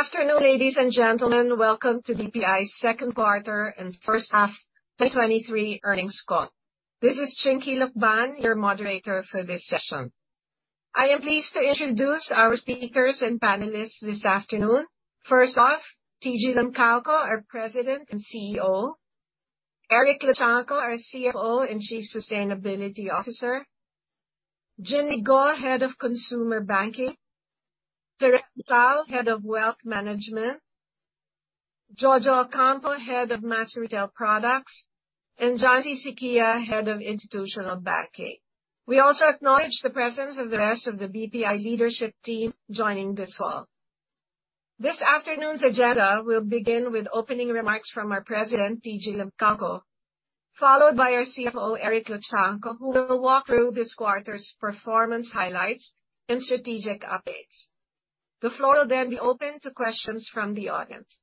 Good afternoon, ladies and gentlemen. Welcome to BPI's Second Quarter and First Half 2023 Earnings Call. This is Chinqui Lukban, your moderator for this session. I am pleased to introduce our speakers and panelists this afternoon. First off, TG Limcaoco, our President and CEO. Eric Luchangco, our CFO and Chief Sustainability Officer. Ginbee Go, Head of Consumer Banking. Derrick Tan, Head of Wealth Management. Jojo Ocampo, Head of Mass Retail Products, and John-C Syquia, Head of Institutional Banking. We also acknowledge the presence of the rest of the BPI leadership team joining this call. This afternoon's agenda will begin with opening remarks from our president, TG Limcaoco, followed by our CFO, Eric Luchangco, who will walk through this quarter's performance highlights and strategic updates. The floor will then be open to questions from the audience.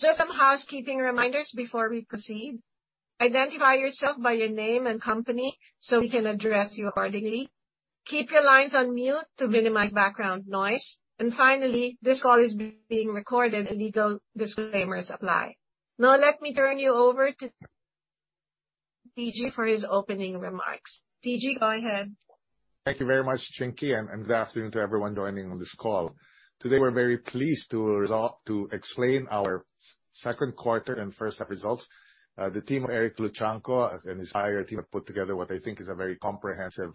Just some housekeeping reminders before we proceed. Identify yourself by your name and company so we can address you accordingly. Keep your lines on mute to minimize background noise. Finally, this call is being recorded and legal disclaimers apply. Now let me turn you over to TG for his opening remarks. TG, go ahead. Thank you very much, Chinqui, and good afternoon to everyone joining on this call. Today we're very pleased to explain our second quarter and first half results. The team of Eric Luchangco and his entire team have put together what I think is a very comprehensive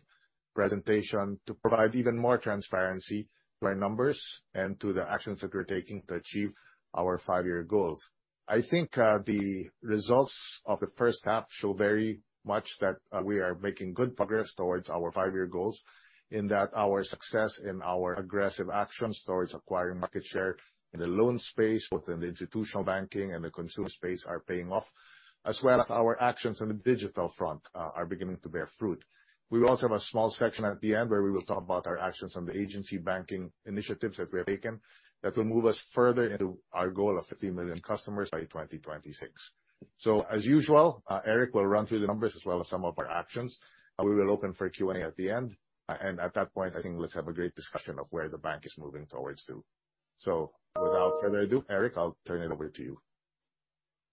presentation to provide even more transparency to our numbers and to the actions that we're taking to achieve our five-year goals. I think the results of the first half show very much that we are making good progress towards our five-year goals in that our success and our aggressive actions towards acquiring market share in the loan space, both in the institutional banking and the consumer space are paying off, as well as our actions on the digital front, are beginning to bear fruit. We will also have a small section at the end where we will talk about our actions on the agency banking initiatives that we have taken that will move us further into our goal of 50 million customers by 2026. So as usual, Eric will run through the numbers as well as some of our actions, and we will open for Q&A at the end. At that point, I think let's have a great discussion of where the bank is moving towards to. Without further ado, Eric, I'll turn it over to you.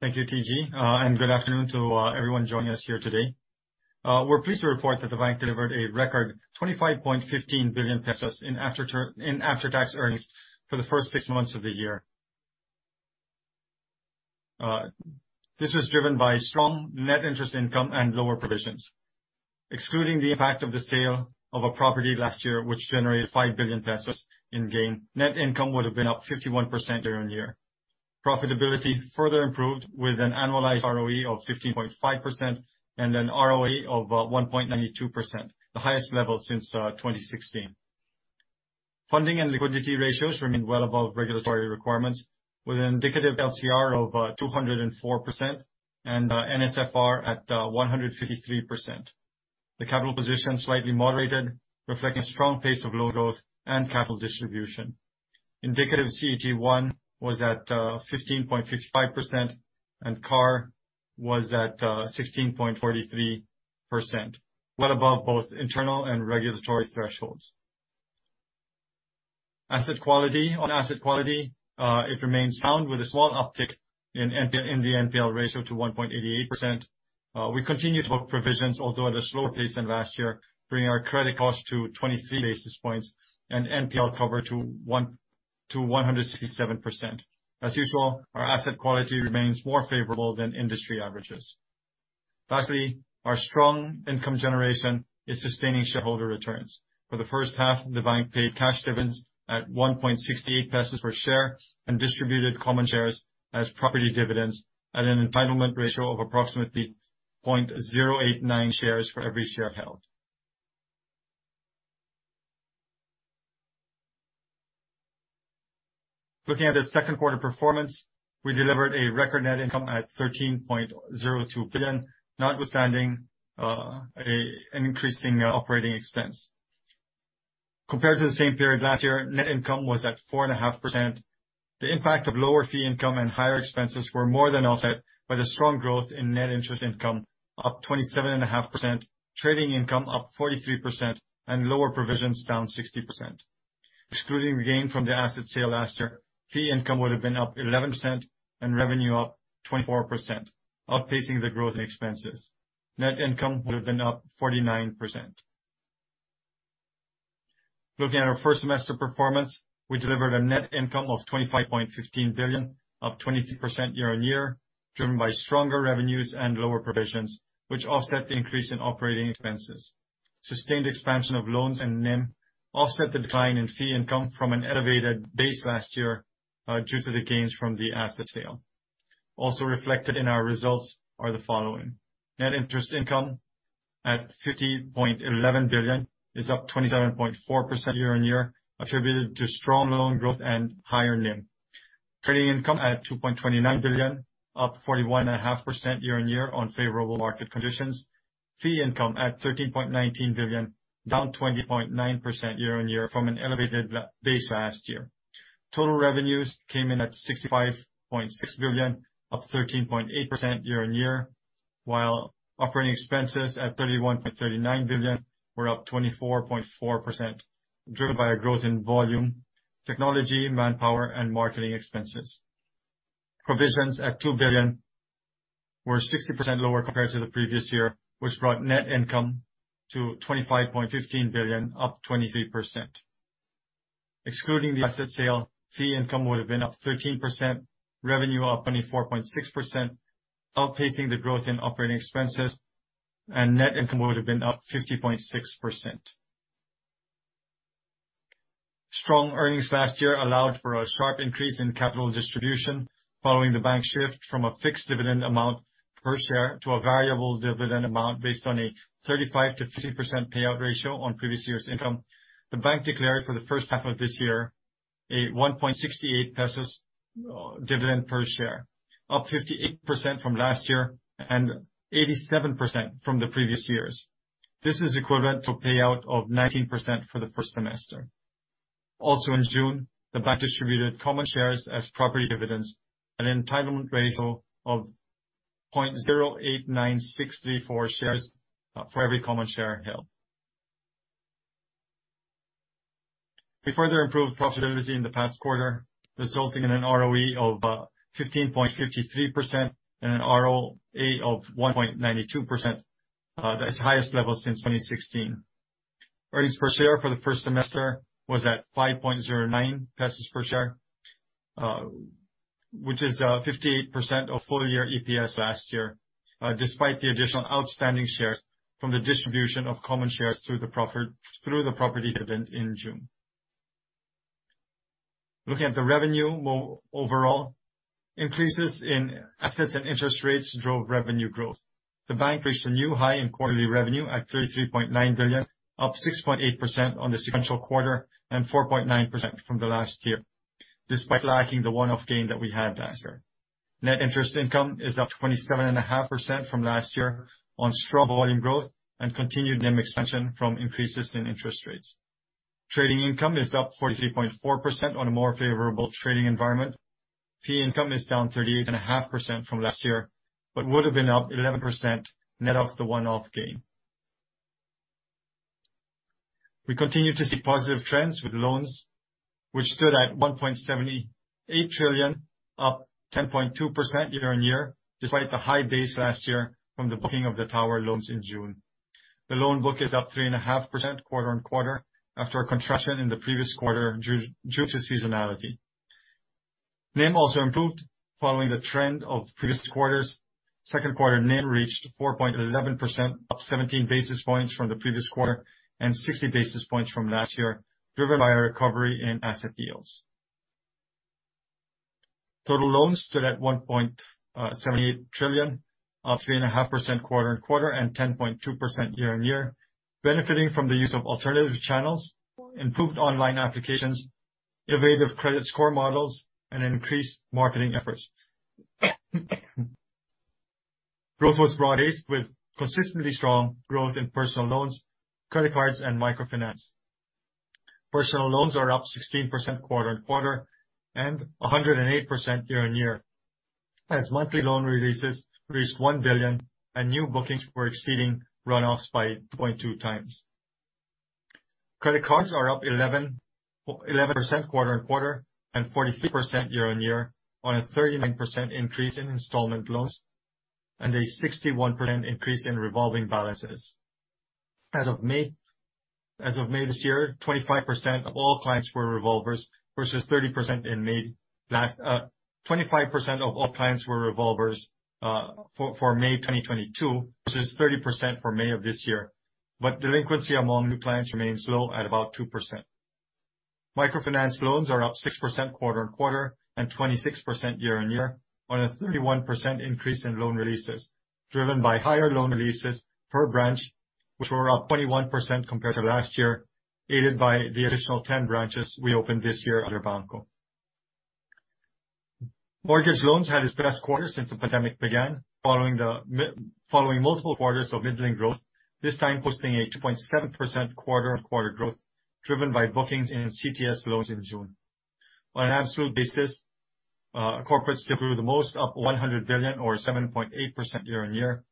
Thank you, TG. Good afternoon to everyone joining us here today. We're pleased to report that the bank delivered a record 25.15 billion pesos in after-tax earnings for the first six months of the year. This was driven by strong net interest income and lower provisions. Excluding the impact of the sale of a property last year, which generated 5 billion pesos in gain, net income would have been up 51% year-on-year. Profitability further improved with an annualized ROE of 15.5% and an ROA of 1.92%, the highest level since 2016. Funding and liquidity ratios remain well above regulatory requirements with an indicative LCR of 204% and NSFR at 153%. The capital position slightly moderated, reflecting strong pace of loan growth and capital distribution. Indicative CET1 was at 15.55%, and CAR was at 16.43%, well above both internal and regulatory thresholds. Asset quality. On asset quality, it remains sound with a small uptick in the NPL ratio to 1.88%. We continue to book provisions, although at a slower pace than last year, bringing our credit cost to 23 basis points and NPL cover to 167%. As usual, our asset quality remains more favorable than industry averages. Lastly, our strong income generation is sustaining shareholder returns. For the first half, the bank paid cash dividends at 1.68 pesos per share and distributed common shares as property dividends at an entitlement ratio of approximately 0.089 shares for every share held. Looking at the second quarter performance, we delivered a record net income at 13.02 billion, notwithstanding an increase in operating expense. Compared to the same period last year, net income was at 4.5%. The impact of lower fee income and higher expenses were more than offset by the strong growth in net interest income, up 27.5%, trading income up 43%, and lower provisions down 60%. Excluding the gain from the asset sale last year, fee income would have been up 11% and revenue up 24%, outpacing the growth in expenses. Net income would have been up 49%. Looking at our first semester performance, we delivered a net income of 25.15 billion, up 23% year-on-year, driven by stronger revenues and lower provisions, which offset the increase in operating expenses. Sustained expansion of loans and NIM offset the decline in fee income from an elevated base last year, due to the gains from the asset sale. Also reflected in our results are the following: Net interest income at 50.11 billion is up 27.4% year-on-year, attributed to strong loan growth and higher NIM. Trading income at 2.29 billion, up 41.5% year-on-year on favorable market conditions. Fee income at 13.19 billion, down 20.9% year-on-year from an elevated base last year. Total revenues came in at 65.6 billion, up 13.8% year-on-year. While operating expenses at 31.39 billion were up 24.4%, driven by a growth in volume, technology, manpower, and marketing expenses. Provisions at 2 billion were 60% lower compared to the previous year, which brought net income to 25.15 billion, up 23%. Excluding the asset sale, fee income would have been up 13%, revenue up 24.6%, outpacing the growth in operating expenses, and net income would have been up 50.6%. Strong earnings last year allowed for a sharp increase in capital distribution following the bank shift from a fixed dividend amount per share to a variable dividend amount based on a 35%-50% payout ratio on previous year's income. The bank declared for the first half of this year a 1.68 pesos dividend per share, up 58% from last year and 87% from the previous years. This is equivalent to payout of 19% for the first semester. Also in June, the bank distributed common shares as property dividends at an entitlement ratio of 0.089634 shares for every common share held. We further improved profitability in the past quarter, resulting in an ROE of 15.53% and an ROA of 1.92%, that's the highest level since 2016. Earnings per share for the first semester was at 5.09 pesos per share, which is 58% of full year EPS last year, despite the additional outstanding shares from the distribution of common shares through the property dividend in June. Looking at the revenue more overall, increases in assets and interest rates drove revenue growth. The bank reached a new high in quarterly revenue at 33.9 billion, up 6.8% on the sequential quarter and 4.9% from last year, despite lacking the one-off gain that we had last year. Net interest income is up 27.5% from last year on strong volume growth and continued NIM expansion from increases in interest rates. Trading income is up 43.4% on a more favorable trading environment. Fee income is down 38.5% from last year, but would have been up 11% net of the one-off gain. We continue to see positive trends with loans which stood at 1.78 trillion, up 10.2% year-on-year, despite the high base last year from the booking of the tower loans in June. The loan book is up 3.5% quarter-on-quarter after a contraction in the previous quarter due to seasonality. NIM also improved following the trend of previous quarters. Second quarter NIM reached 4.11%, up 17 basis points from the previous quarter and 60 basis points from last year, driven by a recovery in asset yields. Total loans stood at 1.78 trillion, up 3.5% quarter-on-quarter and 10.2% year-on-year, benefiting from the use of alternative channels, improved online applications, innovative credit score models, and increased marketing efforts. Growth was broadest with consistently strong growth in personal loans, credit cards, and microfinance. Personal loans are up 16% quarter-on-quarter and 108% year-on-year. Monthly loan releases reached 1 billion and new bookings were exceeding runoffs by 22x. Credit cards are up 11% quarter-on-quarter and 43% year-on-year on a 39% increase in installment loans and a 61% increase in revolving balances. As of May this year, 25% of all clients were revolvers versus 30% in May last. 25% of all clients were revolvers for May 2022 versus 30% for May of this year. Delinquency among new clients remains low at about 2%. Microfinance loans are up 6% quarter-on-quarter and 26% year-on-year on a 31% increase in loan releases driven by higher loan releases per branch, which were up 21% compared to last year, aided by the additional 10 branches we opened this year under BanKo. Mortgage loans had its best quarter since the pandemic began following multiple quarters of middling growth, this time posting a 2.7% quarter-on-quarter growth driven by bookings in CTS loans in June. On an absolute basis, corporates grew the most up 100 billion or 7.8% year-on-year.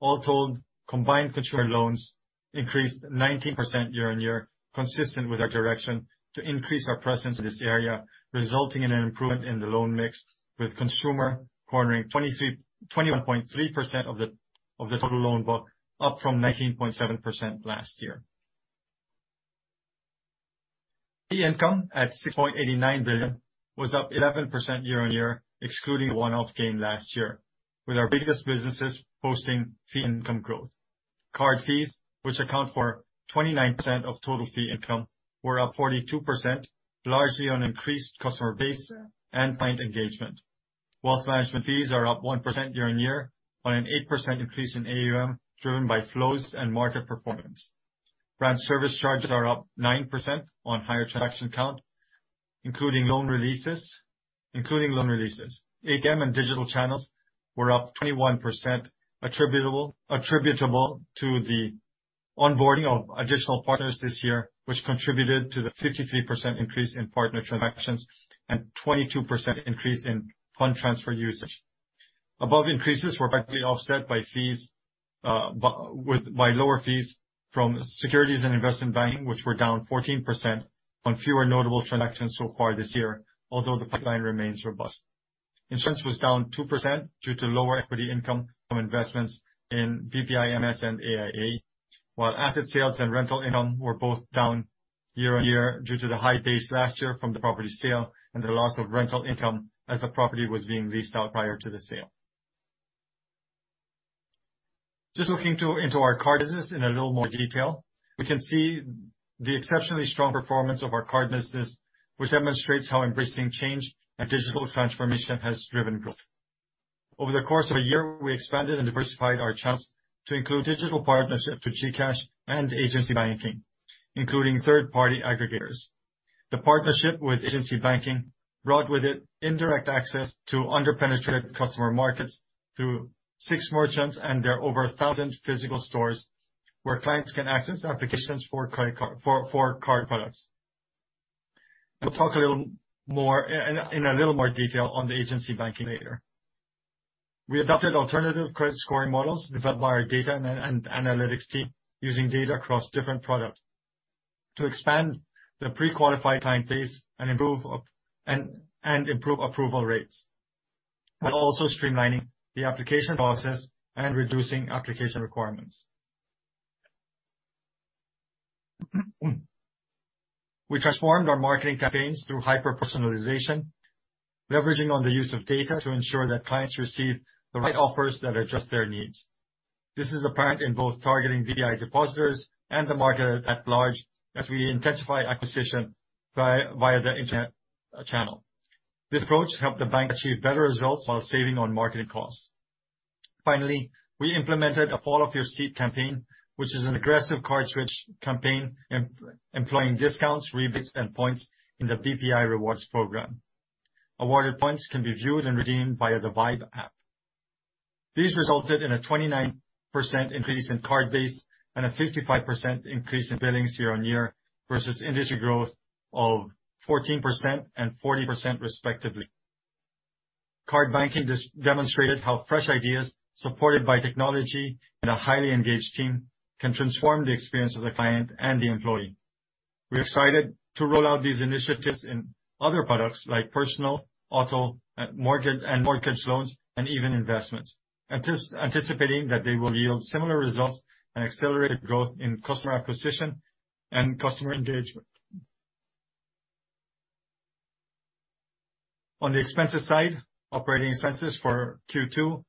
All told, combined consumer loans increased 19% year-on-year, consistent with our direction to increase our presence in this area, resulting in an improvement in the loan mix, with consumer cornering 21.3% of the total loan book, up from 19.7% last year. Fee income at 6.89 billion was up 11% year-on-year, excluding one-off gain last year, with our biggest businesses posting fee income growth. Card fees, which account for 29% of total fee income, were up 42%, largely on increased customer base and client engagement. Wealth management fees are up 1% year-on-year on an 8% increase in AUM driven by flows and market performance. Branch service charges are up 9% on higher transaction count, including loan releases. ATM and digital channels were up 21% attributable to the onboarding of additional partners this year, which contributed to the 53% increase in partner transactions and 22% increase in fund transfer usage. Above increases were partly offset by lower fees from securities and investment banking, which were down 14% on fewer notable transactions so far this year, although the pipeline remains robust. Insurance was down 2% due to lower equity income from investments in BPI MS and AIA, while asset sales and rental income were both down year-on-year due to the high base last year from the property sale and the loss of rental income as the property was being leased out prior to the sale. Just looking into our card business in a little more detail, we can see the exceptionally strong performance of our card business, which demonstrates how embracing change and digital transformation has driven growth. Over the course of a year, we expanded and diversified our channels to include digital partnership to GCash and agency banking, including third-party aggregators. The partnership with agency banking brought with it indirect access to under-penetrated customer markets through six merchants and their over 1,000 physical stores, where clients can access applications for credit card for card products. I'll talk a little more in a little more detail on the agency banking later. We adopted alternative credit scoring models developed by our data analytics team using data across different products to expand the pre-qualified client base and improve approval rates, while also streamlining the application process and reducing application requirements. We transformed our marketing campaigns through hyper-personalization, leveraging on the use of data to ensure that clients receive the right offers that address their needs. This is apparent in both targeting BPI depositors and the market at large as we intensify acquisition via the internet channel. This approach helped the bank achieve better results while saving on marketing costs. Finally, we implemented a Fall Off Your Seat campaign, which is an aggressive card switch campaign employing discounts, rebates, and points in the BPI Rewards program. Awarded points can be viewed and redeemed via the VYBE app. These resulted in a 29% increase in card base and a 55% increase in billings year-on-year versus industry growth of 14% and 40% respectively. Card banking demonstrated how fresh ideas supported by technology and a highly engaged team can transform the experience of the client and the employee. We're excited to roll out these initiatives in other products like personal, auto, mortgage, and mortgage loans, and even investments. Anticipating that they will yield similar results and accelerated growth in customer acquisition and customer engagement. On the expenses side, operating expenses for Q2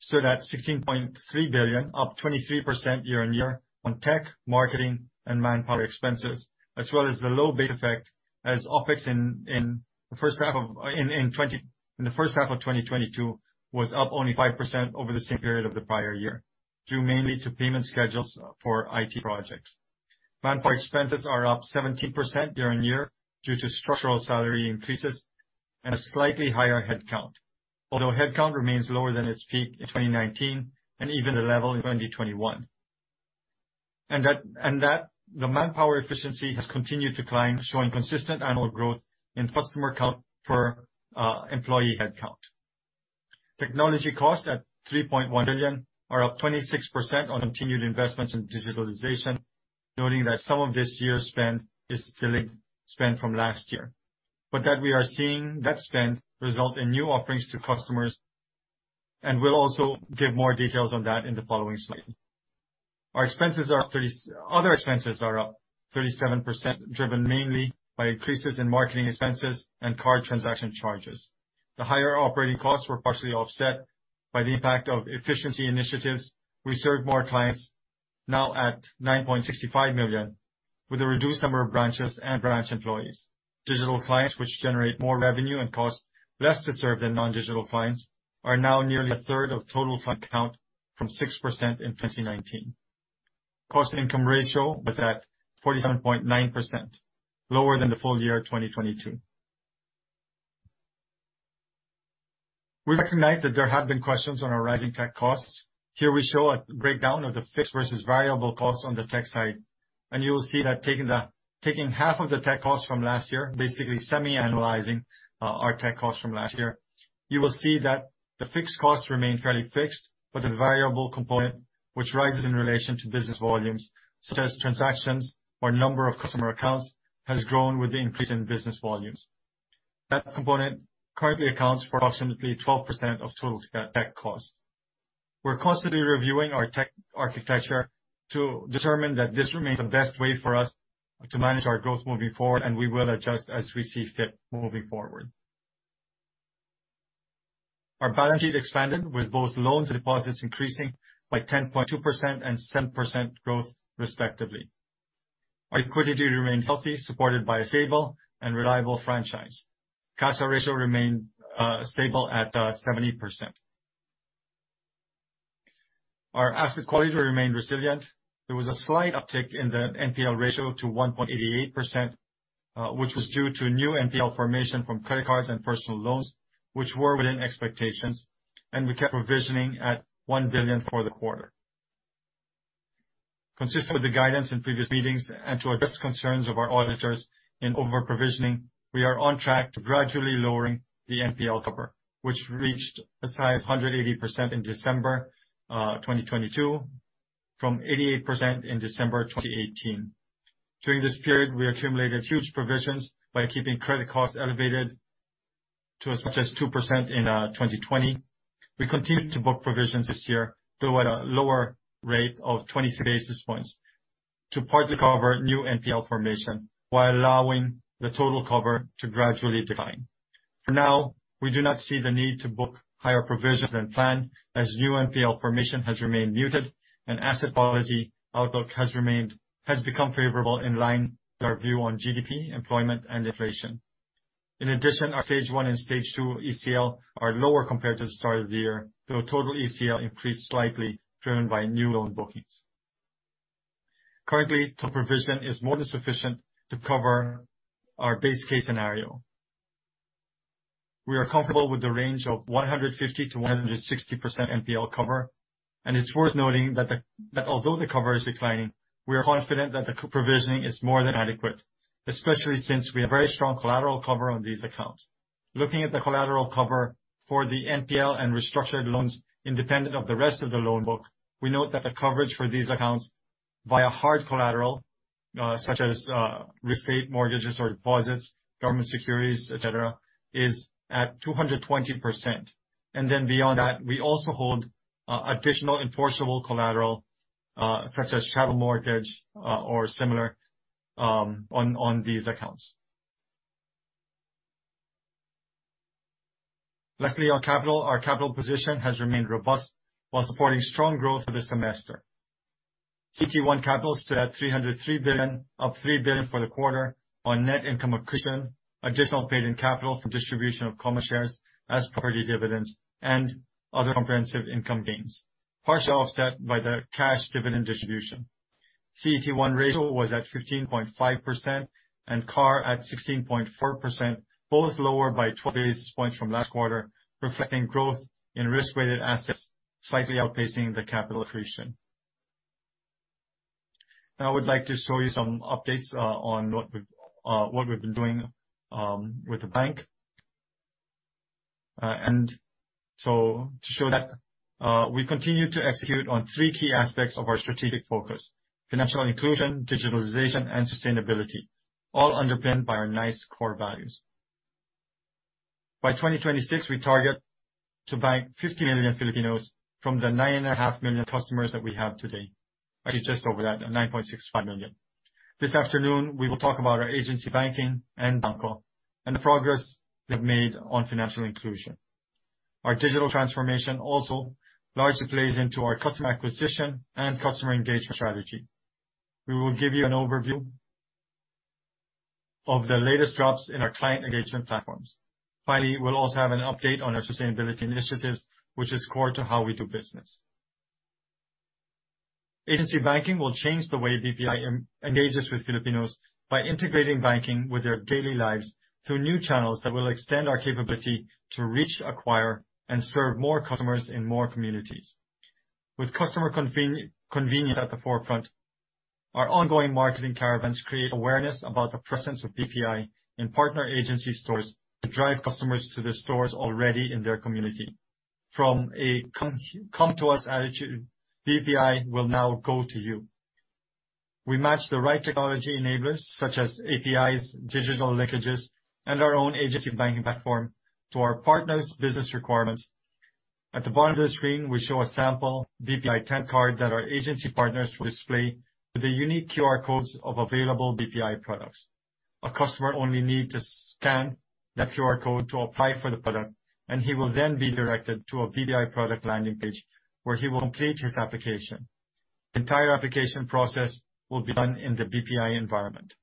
stood at 16.3 billion, up 23% year-on-year on tech, marketing and manpower expenses, as well as the low base effect as OpEx in the first half of.. In the first half of 2022 was up only 5% over the same period of the prior year, due mainly to payment schedules for IT projects. Manpower expenses are up 17% year-on-year due to structural salary increases and a slightly higher headcount, although headcount remains lower than its peak in 2019 and even the level in 2021. The manpower efficiency has continued to climb, showing consistent annual growth in customer count per employee headcount. Technology costs at 3.1 billion are up 26% on continued investments in digitalization, noting that some of this year's spend is still spend from last year. We are seeing that spend result in new offerings to customers, and we'll also give more details on that in the following slide. Other expenses are up 37%, driven mainly by increases in marketing expenses and card transaction charges. The higher operating costs were partially offset by the impact of efficiency initiatives. We served more clients, now at 9.65 million, with a reduced number of branches and branch employees. Digital clients, which generate more revenue and cost less to serve than non-digital clients, are now nearly a third of total client count from 6% in 2019. Cost income ratio was at 47.9%, lower than the full year 2022. We recognize that there have been questions on our rising tech costs. Here we show a breakdown of the fixed versus variable costs on the tech side, and you will see that taking half of the tech costs from last year, basically semi-annualizing, our tech costs from last year. You will see that the fixed costs remain fairly fixed, but the variable component, which rises in relation to business volumes, such as transactions or number of customer accounts, has grown with the increase in business volumes. That component currently accounts for approximately 12% of total tech costs. We're constantly reviewing our tech architecture to determine that this remains the best way for us to manage our growth moving forward, and we will adjust as we see fit moving forward. Our balance sheet expanded with both loans and deposits increasing by 10.2% and 7% growth respectively. Our liquidity remained healthy, supported by a stable and reliable franchise. CASA ratio remained stable at 70%. Our asset quality remained resilient. There was a slight uptick in the NPL ratio to 1.88%. Which was due to new NPL formation from credit cards and personal loans, which were within expectations, and we kept provisioning at 1 billion for the quarter. Consistent with the guidance in previous meetings and to address concerns of our auditors in over-provisioning, we are on track to gradually lowering the NPL cover, which reached as high as 180% in December 2022 from 88% in December 2018. During this period, we accumulated huge provisions by keeping credit costs elevated to as much as 2% in 2020. We continued to book provisions this year, though at a lower rate of 22 basis points to partly cover new NPL formation while allowing the total cover to gradually decline. For now, we do not see the need to book higher provisions than planned, as new NPL formation has remained muted and asset quality outlook has become favorable in line with our view on GDP, employment, and inflation. In addition, our stage one and stage two ECL are lower compared to the start of the year, though total ECL increased slightly, driven by new loan bookings. Currently, the provision is more than sufficient to cover our base case scenario. We are comfortable with the range of 150%-160% NPL cover, and it's worth noting that although the cover is declining, we are confident that the co-provisioning is more than adequate, especially since we have very strong collateral cover on these accounts. Looking at the collateral cover for the NPL and restructured loans independent of the rest of the loan book, we note that the coverage for these accounts via hard collateral, such as real estate mortgages or deposits, government securities, et cetera, is at 220%. Beyond that, we also hold additional enforceable collateral, such as title mortgage or similar, on these accounts. Lastly, on capital. Our capital position has remained robust while supporting strong growth for the semester. CET1 capital stood at 303 billion, up 3 billion for the quarter on net income accretion, additional paid-in capital from distribution of common shares as property dividends, and other comprehensive income gains, partially offset by the cash dividend distribution. CET1 ratio was at 15.5% and CAR at 16.4%, both lower by 20 basis points from last quarter, reflecting growth in risk-weighted assets, slightly outpacing the capital accretion. Now I would like to show you some updates on what we've been doing with the bank. To show that, we continue to execute on three key aspects of our strategic focus, financial inclusion, digitalization, and sustainability, all underpinned by our nice core values. By 2026, we target to bank 50 million Filipinos from the 9.5 million customers that we have today. Actually, just over that, at 9.65 million. This afternoon we will talk about our agency banking and BanKo, and the progress we have made on financial inclusion. Our digital transformation also largely plays into our customer acquisition and customer engagement strategy. We will give you an overview of the latest drops in our client engagement platforms. Finally, we'll also have an update on our sustainability initiatives, which is core to how we do business. Agency banking will change the way BPI engages with Filipinos by integrating banking with their daily lives through new channels that will extend our capability to reach, acquire, and serve more customers in more communities. With customer convenience at the forefront, our ongoing marketing caravans create awareness about the presence of BPI in partner agency stores to drive customers to the stores already in their community. From a come to us attitude, BPI will now go to you. We match the right technology enablers such as APIs, digital linkages, and our own agency banking platform to our partners' business requirements. At the bottom of the screen, we show a sample BPI tent card that our agency partners will display with the unique QR codes of available BPI products. A customer only need to scan that QR code to apply for the product, and he will then be directed to a BPI product landing page, where he will complete his application. The entire application process will be done in the BPI environment.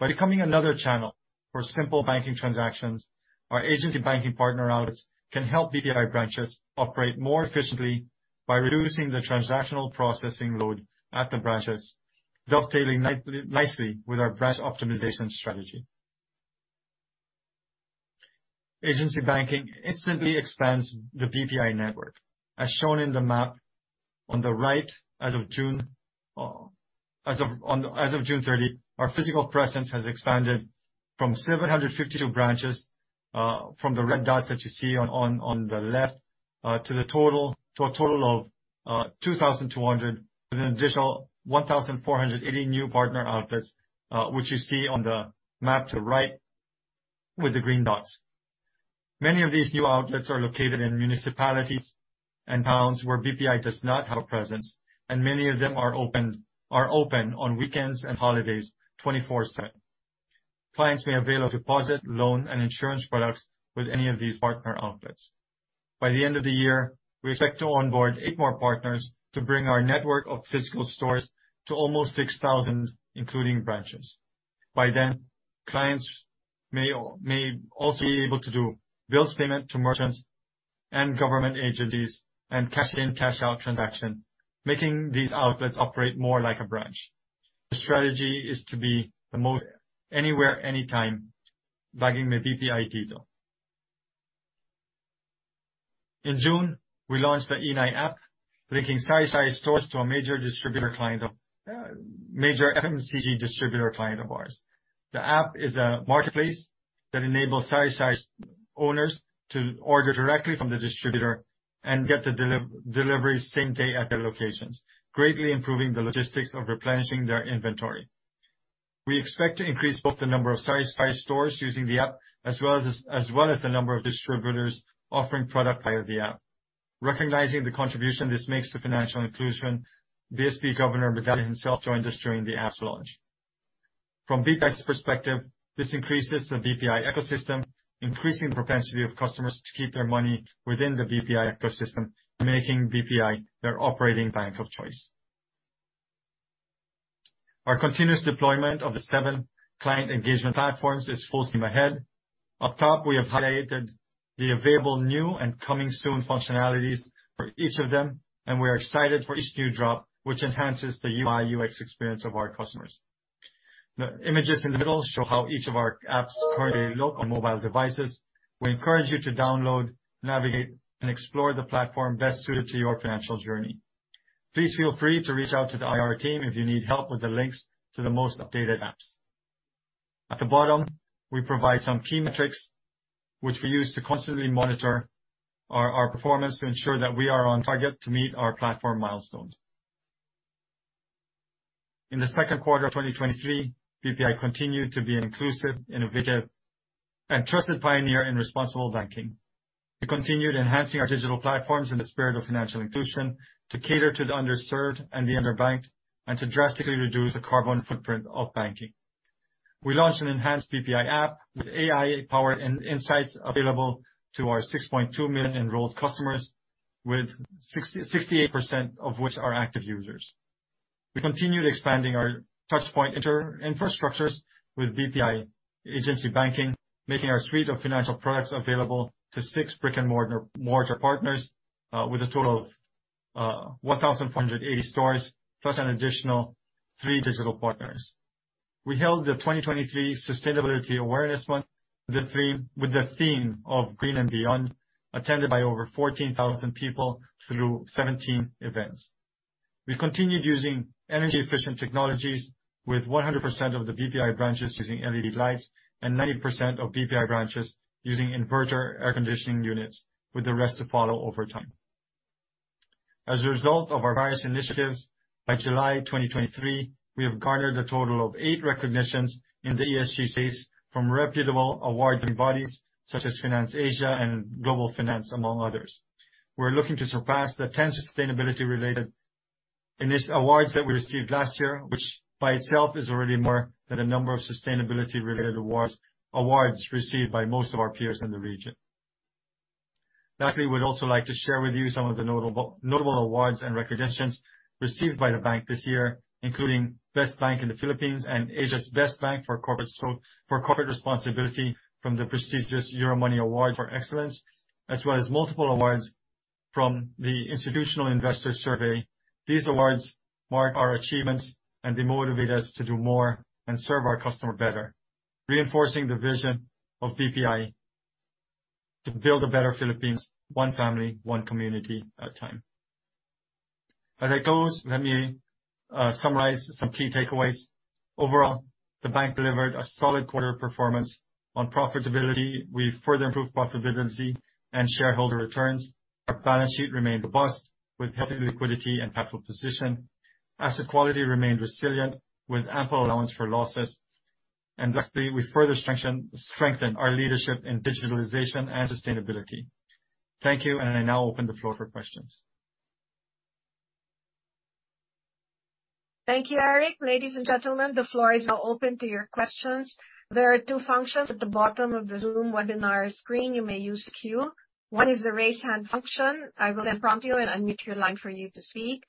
By becoming another channel for simple banking transactions, our agency banking partner outlets can help BPI branches operate more efficiently by reducing the transactional processing load at the branches, dovetailing nicely with our branch optimization strategy. Agency banking instantly expands the BPI network, as shown in the map on the right as of June 30, our physical presence has expanded from 752 branches, from the red dots that you see on the left, to a total of 2,200 with an additional 1,480 new partner outlets, which you see on the map to the right with the green dots. Many of these new outlets are located in municipalities and towns where BPI does not have a presence, and many of them are open on weekends and holidays, 24/7. Clients may avail of deposit, loan, and insurance products with any of these partner outlets. By the end of the year, we expect to onboard 8 more partners to bring our network of physical stores to almost 6,000, including branches. By then, clients may also be able to do bills payment to merchants and government agencies and cash in cash out transaction, making these outlets operate more like a branch. The strategy is to be the most anywhere, anytime banking May BPI Dito. In June, we launched the e'Nay app, linking sari-sari stores to a major FMCG distributor client of ours. The app is a marketplace that enables sari-sari owners to order directly from the distributor and get the delivery same day at their locations, greatly improving the logistics of replenishing their inventory. We expect to increase both the number of sari-sari stores using the app as well as the number of distributors offering product via the app. Recognizing the contribution this makes to financial inclusion, BSP Governor Medalla himself joined us during the app launch. From BPI's perspective, this increases the BPI ecosystem, increasing the propensity of customers to keep their money within the BPI ecosystem, making BPI their operating bank of choice. Our continuous deployment of the seven client engagement platforms is full steam ahead. Up top, we have highlighted the available new and coming soon functionalities for each of them, and we're excited for each new drop which enhances the UI/UX experience of our customers. The images in the middle show how each of our apps currently look on mobile devices. We encourage you to download, navigate, and explore the platform best suited to your financial journey. Please feel free to reach out to the IR team if you need help with the links to the most updated apps. At the bottom, we provide some key metrics which we use to constantly monitor our performance to ensure that we are on target to meet our platform milestones. In the second quarter of 2023, BPI continued to be an inclusive, innovative, and trusted pioneer in responsible banking. We continued enhancing our digital platforms in the spirit of financial inclusion to cater to the underserved and the underbanked, and to drastically reduce the carbon footprint of banking. We launched an enhanced BPI app with AI power and insights available to our 6.2 million enrolled customers, with 68% of which are active users. We continued expanding our touch point inter-infrastructures with BPI agency banking, making our suite of financial products available to six brick-and-mortar partners with a total of 1,480 stores, plus an additional three digital partners. We held the 2023 Sustainability Awareness Month with the theme of Green and Beyond, attended by over 14,000 people through 17 events. We continued using energy-efficient technologies with 100% of the BPI branches using LED lights and 90% of BPI branches using inverter air conditioning units, with the rest to follow over time. As a result of our various initiatives, by July 2023, we have garnered a total of 8 recognitions in the ESG space from reputable award-winning bodies such as FinanceAsia and Global Finance, among others. We're looking to surpass the 10 sustainability-related awards that we received last year, which by itself is already more than the number of sustainability-related awards received by most of our peers in the region. Lastly, we'd also like to share with you some of the notable awards and recognitions received by the bank this year, including Best Bank in the Philippines and Asia's Best Bank for Corporate Responsibility from the prestigious Euromoney Award for Excellence, as well as multiple awards from the Institutional Investor survey. These awards mark our achievements, and they motivate us to do more and serve our customer better, reinforcing the vision of BPI to build a better Philippines, one family, one community at a time. As I close, let me summarize some key takeaways. Overall, the bank delivered a solid quarter performance on profitability. We further improved profitability and shareholder returns. Our balance sheet remained robust with healthy liquidity and capital position. Asset quality remained resilient with ample allowance for losses. Lastly, we further strengthen our leadership in digitalization and sustainability. Thank you, and I now open the floor for questions. Thank you, Eric. Ladies and gentlemen, the floor is now open to your questions. There are two functions at the bottom of the Zoom webinar screen you may use Q. One is the raise hand function. I will then prompt you and unmute your line for you to speak.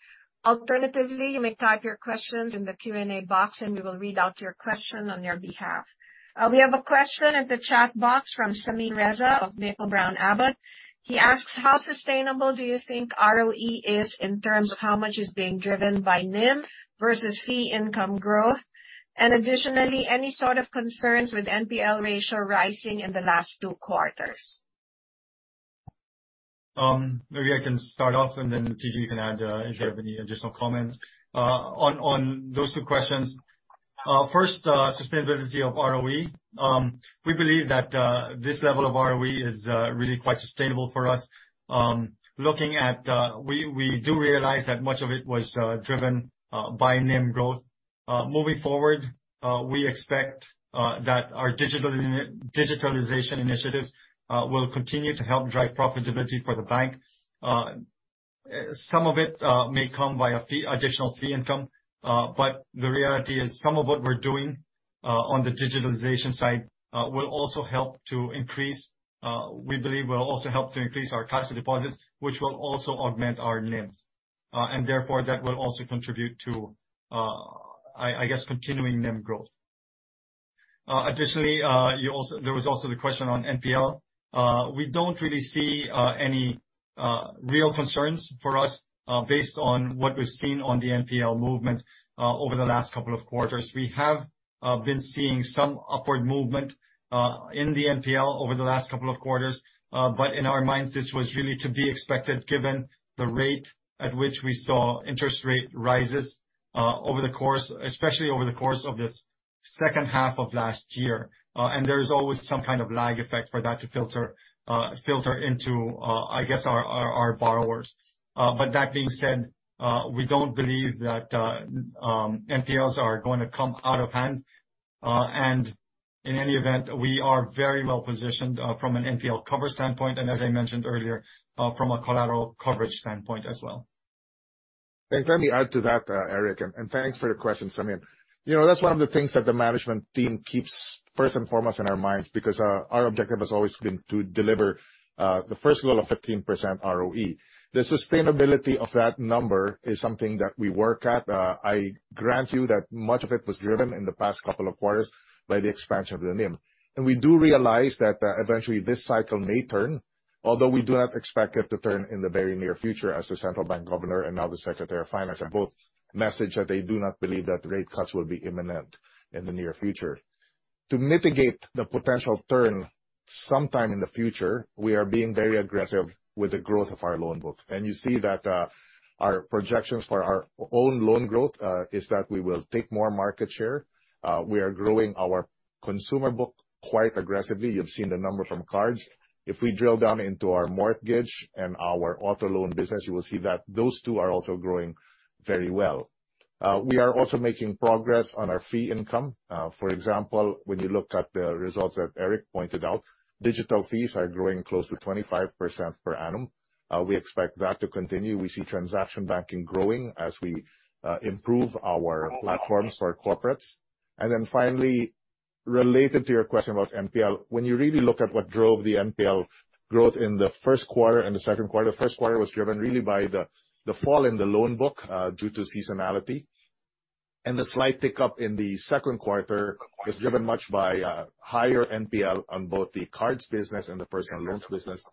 Alternatively, you may type your questions in the Q&A box, and we will read out your question on your behalf. We have a question in the chat box from Samin Reza of Maple-Brown Abbott. He asks: How sustainable do you think ROE is in terms of how much is being driven by NIM versus fee income growth? And additionally, any sort of concerns with NPL ratio rising in the last two quarters? Maybe I can start off and then TG you can add if you have any additional comments on those two questions. First, sustainability of ROE. We believe that this level of ROE is really quite sustainable for us. We do realize that much of it was driven by NIM growth. Moving forward, we expect that our digitalization initiatives will continue to help drive profitability for the bank. Some of it may come via additional fee income, but the reality is some of what we're doing on the digitalization side will also help to increase our cost of deposits, we believe, which will also augment our NIMs. Therefore, that will also contribute to, I guess, continuing NIM growth. Additionally, there was also the question on NPL. We don't really see any real concerns for us, based on what we've seen on the NPL movement over the last couple of quarters. We have been seeing some upward movement in the NPL over the last couple of quarters. In our minds, this was really to be expected given the rate at which we saw interest rate rises over the course, especially over the course of this second half of last year. There's always some kind of lag effect for that to filter into, I guess, our borrowers. That being said, we don't believe that NPLs are gonna come out of hand. In any event, we are very well positioned from an NPL cover standpoint, and as I mentioned earlier, from a collateral coverage standpoint as well. Let me add to that, Eric. Thanks for your question, Samin. You know, that's one of the things that the management team keeps first and foremost in our minds because our objective has always been to deliver the first goal of 15% ROE. The sustainability of that number is something that we work at. I grant you that much of it was driven in the past couple of quarters by the expansion of the NIM. We do realize that eventually this cycle may turn, although we do not expect it to turn in the very near future as the central bank governor and now the Secretary of Finance have both messaged that they do not believe that rate cuts will be imminent in the near future. To mitigate the potential turn sometime in the future, we are being very aggressive with the growth of our loan book. You see that, our projections for our own loan growth, is that we will take more market share. We are growing our consumer book quite aggressively. You've seen the number from cards. If we drill down into our mortgage and our auto loan business, you will see that those two are also growing very well. We are also making progress on our fee income. For example, when you look at the results that Eric pointed out, digital fees are growing close to 25% per annum. We expect that to continue. We see transaction banking growing as we improve our platforms for corporates. Finally, related to your question about NPL, when you really look at what drove the NPL growth in the first quarter and the second quarter, the first quarter was driven really by the fall in the loan book due to seasonality. The slight pickup in the second quarter was driven much by higher NPL on both the cards business and the personal loans business,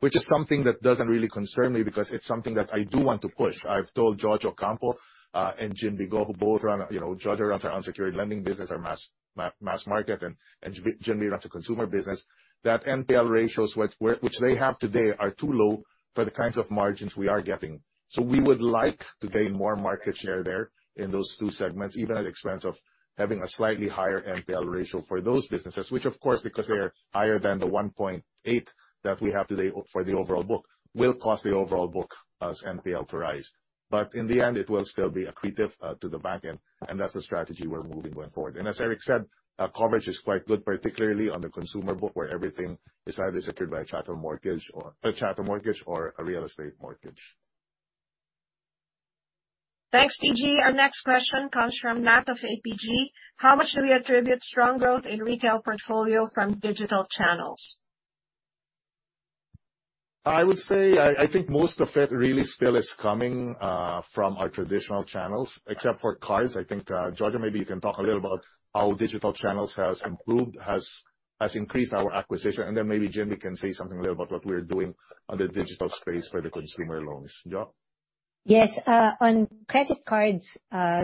which is something that doesn't really concern me because it's something that I do want to push. I've told Jojo Ocampo and Ginbee Go, who both run, you know, Jojo runs our unsecured lending business, our mass market, and Ginbee runs the consumer business, that NPL ratios which they have today are too low for the kinds of margins we are getting. We would like to gain more market share there in those two segments, even at the expense of having a slightly higher NPL ratio for those businesses, which of course, because they are higher than the 1.8% that we have today for the overall book, will cause the overall book NPL to rise. In the end, it will still be accretive to the back end, and that's the strategy we're moving going forward. As Eric said, coverage is quite good, particularly on the consumer book, where everything is either secured by a chattel mortgage or a real estate mortgage. Thanks, TG. Our next question comes from Nat of APG. How much do we attribute strong growth in retail portfolio from digital channels? I would say I think most of it really still is coming from our traditional channels, except for cards. I think, Jo, maybe you can talk a little about how digital channels has increased our acquisition. Then maybe Ginbee can say something a little about what we're doing on the digital space for the consumer loans. Jo? Yes. On credit cards,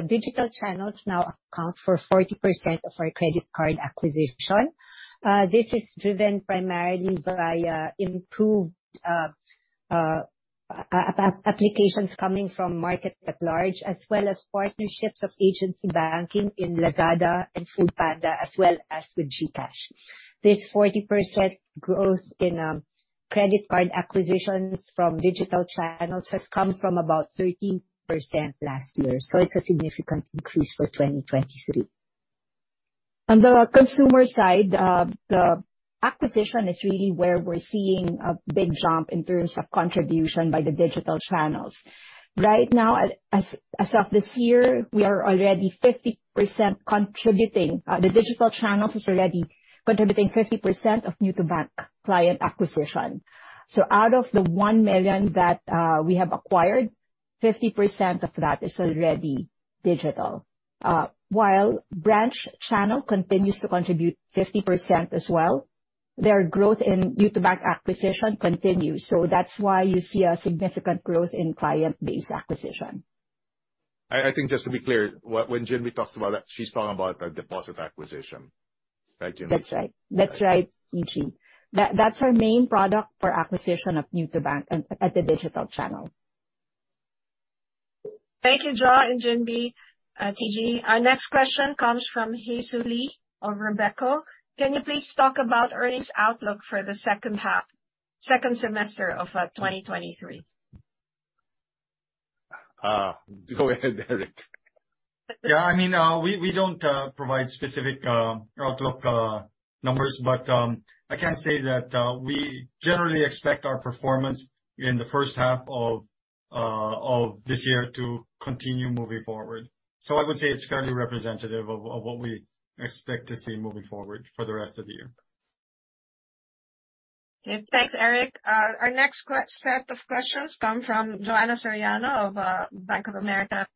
digital channels now account for 40% of our credit card acquisition. This is driven primarily via improved applications coming from market at large, as well as partnerships of agency banking in Lazada and foodpanda, as well as with GCash. This 40% growth in credit card acquisitions from digital channels has come from about 13% last year. It's a significant increase for 2023. On the consumer side, the acquisition is really where we're seeing a big jump in terms of contribution by the digital channels. Right now, as of this year, we are already 50% contributing. The digital channels is already contributing 50% of new to bank client acquisition. Out of the 1 million that we have acquired, 50% of that is already digital. While branch channel continues to contribute 50% as well, their growth in new to bank acquisition continues. That's why you see a significant growth in client base acquisition. I think just to be clear, when Ginbee talks about that, she's talking about a deposit acquisition. Right, Ginbee? That's right, TG. That's our main product for acquisition of new to bank at the digital channel. Thank you, Jo and Ginbee, TG. Our next question comes from Haesu Lee of Robeco. Can you please talk about earnings outlook for the second half, second semester of 2023? Go ahead, Eric. Yeah. I mean, we don't provide specific outlook numbers. I can say that we generally expect our performance in the first half of this year to continue moving forward. I would say it's fairly representative of what we expect to see moving forward for the rest of the year. Okay. Thanks, Eric. Our next set of questions come from Joanna Soriano of Bank of America.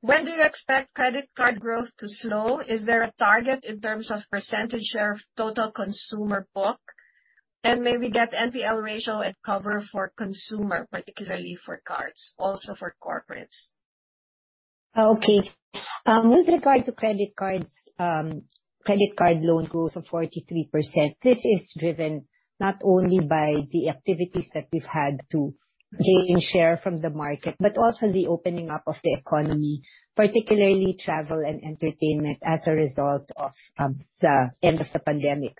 When do you expect credit card growth to slow? Is there a target in terms of percentage share of total consumer book? May we get NPL ratio and coverage for consumer, particularly for cards, also for corporates? Okay. With regard to credit cards, credit card loan growth of 43%, this is driven not only by the activities that we've had to gain share from the market but also the opening up of the economy, particularly travel and entertainment as a result of the end of the pandemic.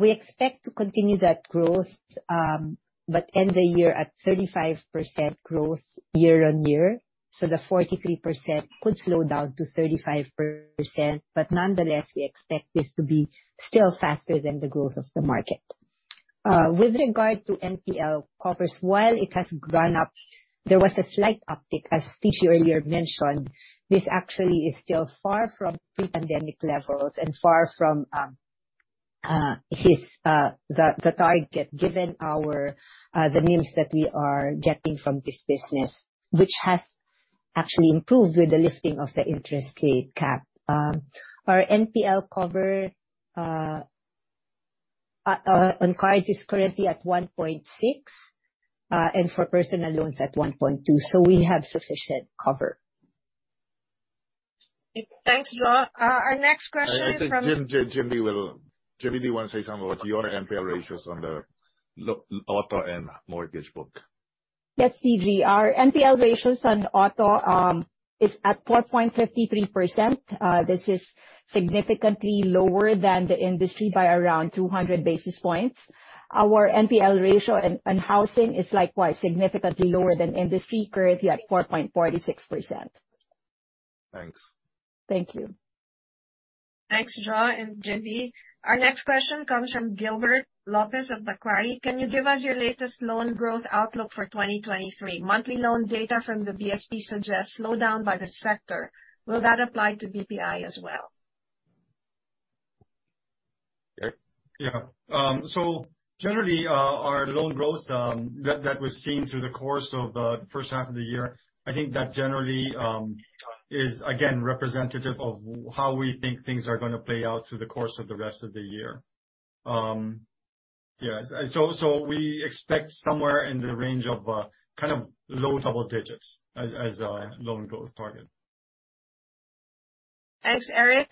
We expect to continue that growth, but end the year at 35% growth year-on-year. The 43% could slow down to 35% but nonetheless, we expect this to be still faster than the growth of the market. With regard to NPL covers, while it has gone up, there was a slight uptick, as TG earlier mentioned. This actually is still far from pre-pandemic levels and far from the target, given the news that we are getting from this business, which has actually improved with the lifting of the interest rate cap. Our NPL cover on cards is currently at 1.6, and for personal loans at 1.2. We have sufficient cover. Thanks, Jo. Our next question is from- I think Ginbee will. Ginbee, do you wanna say something about your NPL ratios on the auto and mortgage book? Yes, TG. Our NPL ratios on auto is at 4.53%. This is significantly lower than the industry by around 200 basis points. Our NPL ratio on housing is likewise significantly lower than industry, currently at 4.46%. Thanks. Thank you. Thanks, Jo and Ginbee. Our next question comes from Gilbert Lopez at Macquarie. Can you give us your latest loan growth outlook for 2023? Monthly loan data from the BSP suggests slowdown in the sector. Will that apply to BPI as well? Eric? Generally, our loan growth that we've seen through the course of the first half of the year, I think that generally is again representative of how we think things are gonna play out through the course of the rest of the year. We expect somewhere in the range of kind of low double digits as our loan growth target. Thanks, Eric.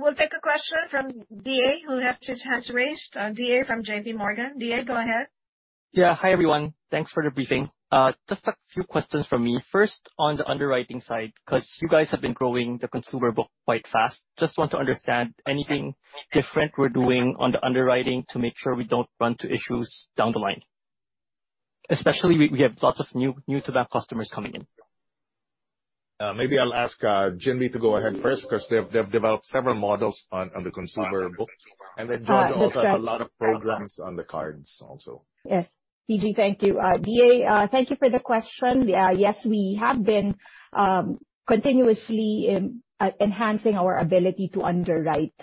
We'll take a question from DA, who has his hand raised. DA from JP Morgan. DA, go ahead. Yeah. Hi, everyone. Thanks for the briefing. Just a few questions from me. First, on the underwriting side, 'cause you guys have been growing the consumer book quite fast. Just want to understand anything different we're doing on the underwriting to make sure we don't run into issues down the line, especially we have lots of new to bank customers coming in. Maybe I'll ask Ginbee to go ahead first, because they've developed several models on the consumer book. Jo also has a lot of programs on the cards also. Yes. TG, thank you. DA, thank you for the question. Yes, we have been continuously enhancing our ability to underwrite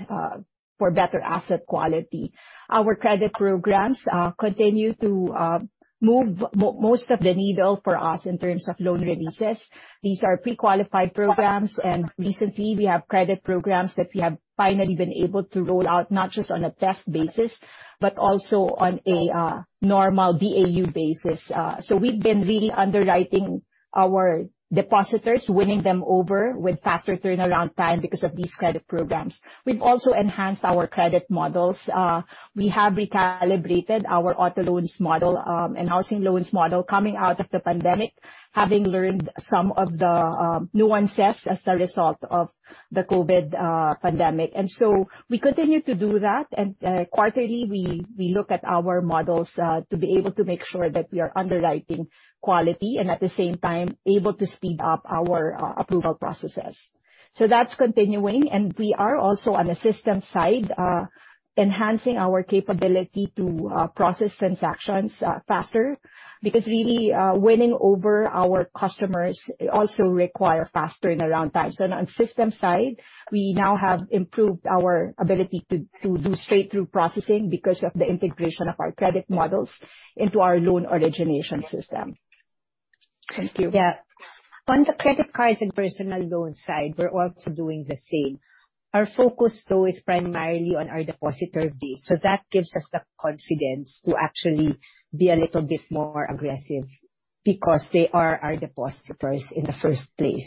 for better asset quality. Our credit programs continue to move most of the needle for us in terms of loan releases. These are pre-qualified programs, and recently we have credit programs that we have finally been able to roll out not just on a test basis, but also on a normal BAU basis. We've been really underwriting our depositors, winning them over with faster turnaround time because of these credit programs. We've also enhanced our credit models. We have recalibrated our auto loans model and housing loans model coming out of the pandemic, having learned some of the nuances as a result of the COVID pandemic. We continue to do that. Quarterly, we look at our models to be able to make sure that we are underwriting quality, and at the same time, able to speed up our approval processes. That's continuing. We are also on the system side enhancing our capability to process transactions faster, because really, winning over our customers also require faster turnaround times. On system side, we now have improved our ability to do straight-through processing because of the integration of our credit models into our loan origination system. Thank you. Yeah. On the credit cards and personal loan side, we're also doing the same. Our focus, though, is primarily on our depositor base, so that gives us the confidence to actually be a little bit more aggressive because they are our depositors in the first place.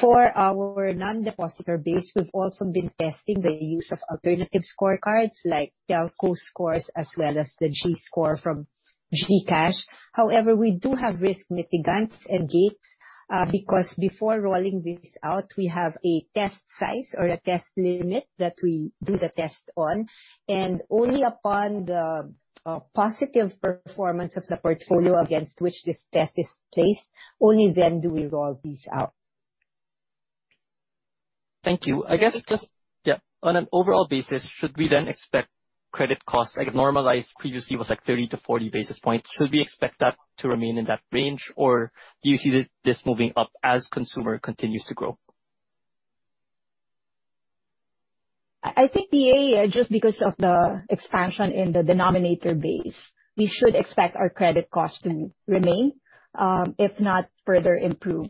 For our non-depositor base, we've also been testing the use of alternative scorecards like telco scores as well as the GScore from GCash. However, we do have risk mitigants and gates, because before rolling this out, we have a test size or a test limit that we do the test on. Only upon the positive performance of the portfolio against which this test is placed, only then do we roll these out. Thank you. Yeah. Yeah. On an overall basis, should we then expect credit costs, like normalized previously was like 30-40 basis points, should we expect that to remain in that range, or do you see this moving up as consumer continues to grow? I think, DA, just because of the expansion in the denominator base, we should expect our credit cost to remain, if not further improve.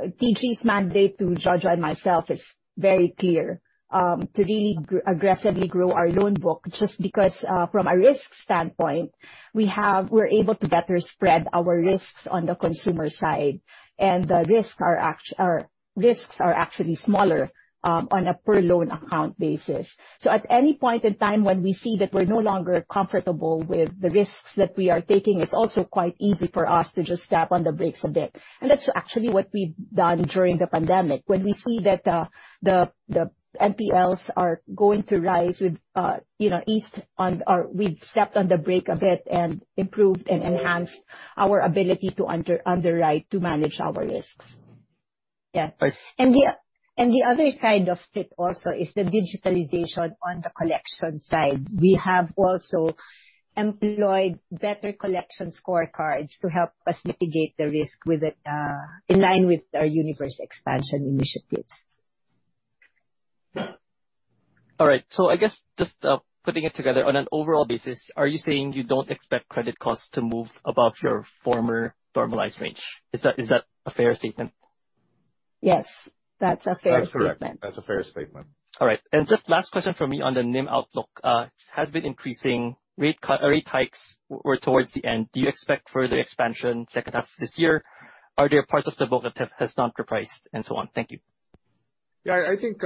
TG's mandate to Jojo and myself is very clear, to really aggressively grow our loan book just because, from a risk standpoint, we're able to better spread our risks on the consumer side, and the risks are actually smaller, on a per loan account basis. So at any point in time, when we see that we're no longer comfortable with the risks that we are taking, it's also quite easy for us to just step on the brakes a bit. That's actually what we've done during the pandemic. When we see that the NPLs are going to rise. We've stepped on the brake a bit and improved and enhanced our ability to underwrite to manage our risks. Yeah. The other side of it also is the digitalization on the collection side. We have also employed better collection scorecards to help us mitigate the risk with it, in line with our universe expansion initiatives. All right. I guess just putting it together on an overall basis, are you saying you don't expect credit costs to move above your former normalized range? Is that a fair statement? Yes, that's a fair statement. That's correct. That's a fair statement. All right. Just last question from me on the NIM outlook. It has been increasing rate cut or rate hikes or towards the end. Do you expect further expansion second half of this year? Are there parts of the book that has not been priced and so on? Thank you. I think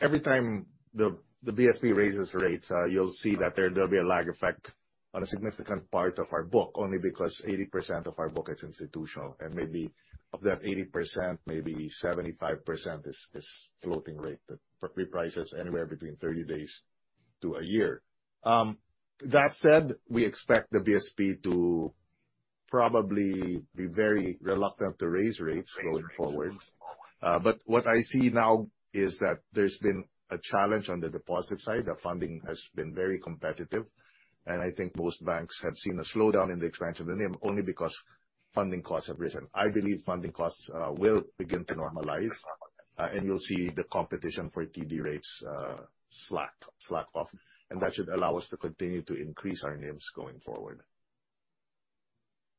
every time the BSP raises rates, you'll see that there'll be a lag effect on a significant part of our book, only because 80% of our book is institutional, and maybe of that 80%, maybe 75% is floating rate that reprices anywhere between 30 days to a year. That said, we expect the BSP to probably be very reluctant to raise rates going forward. But what I see now is that there's been a challenge on the deposit side. The funding has been very competitive. I think most banks have seen a slowdown in the expansion of the NIM only because funding costs have risen. I believe funding costs will begin to normalize, and you'll see the competition for TD rates slack off, and that should allow us to continue to increase our NIMs going forward.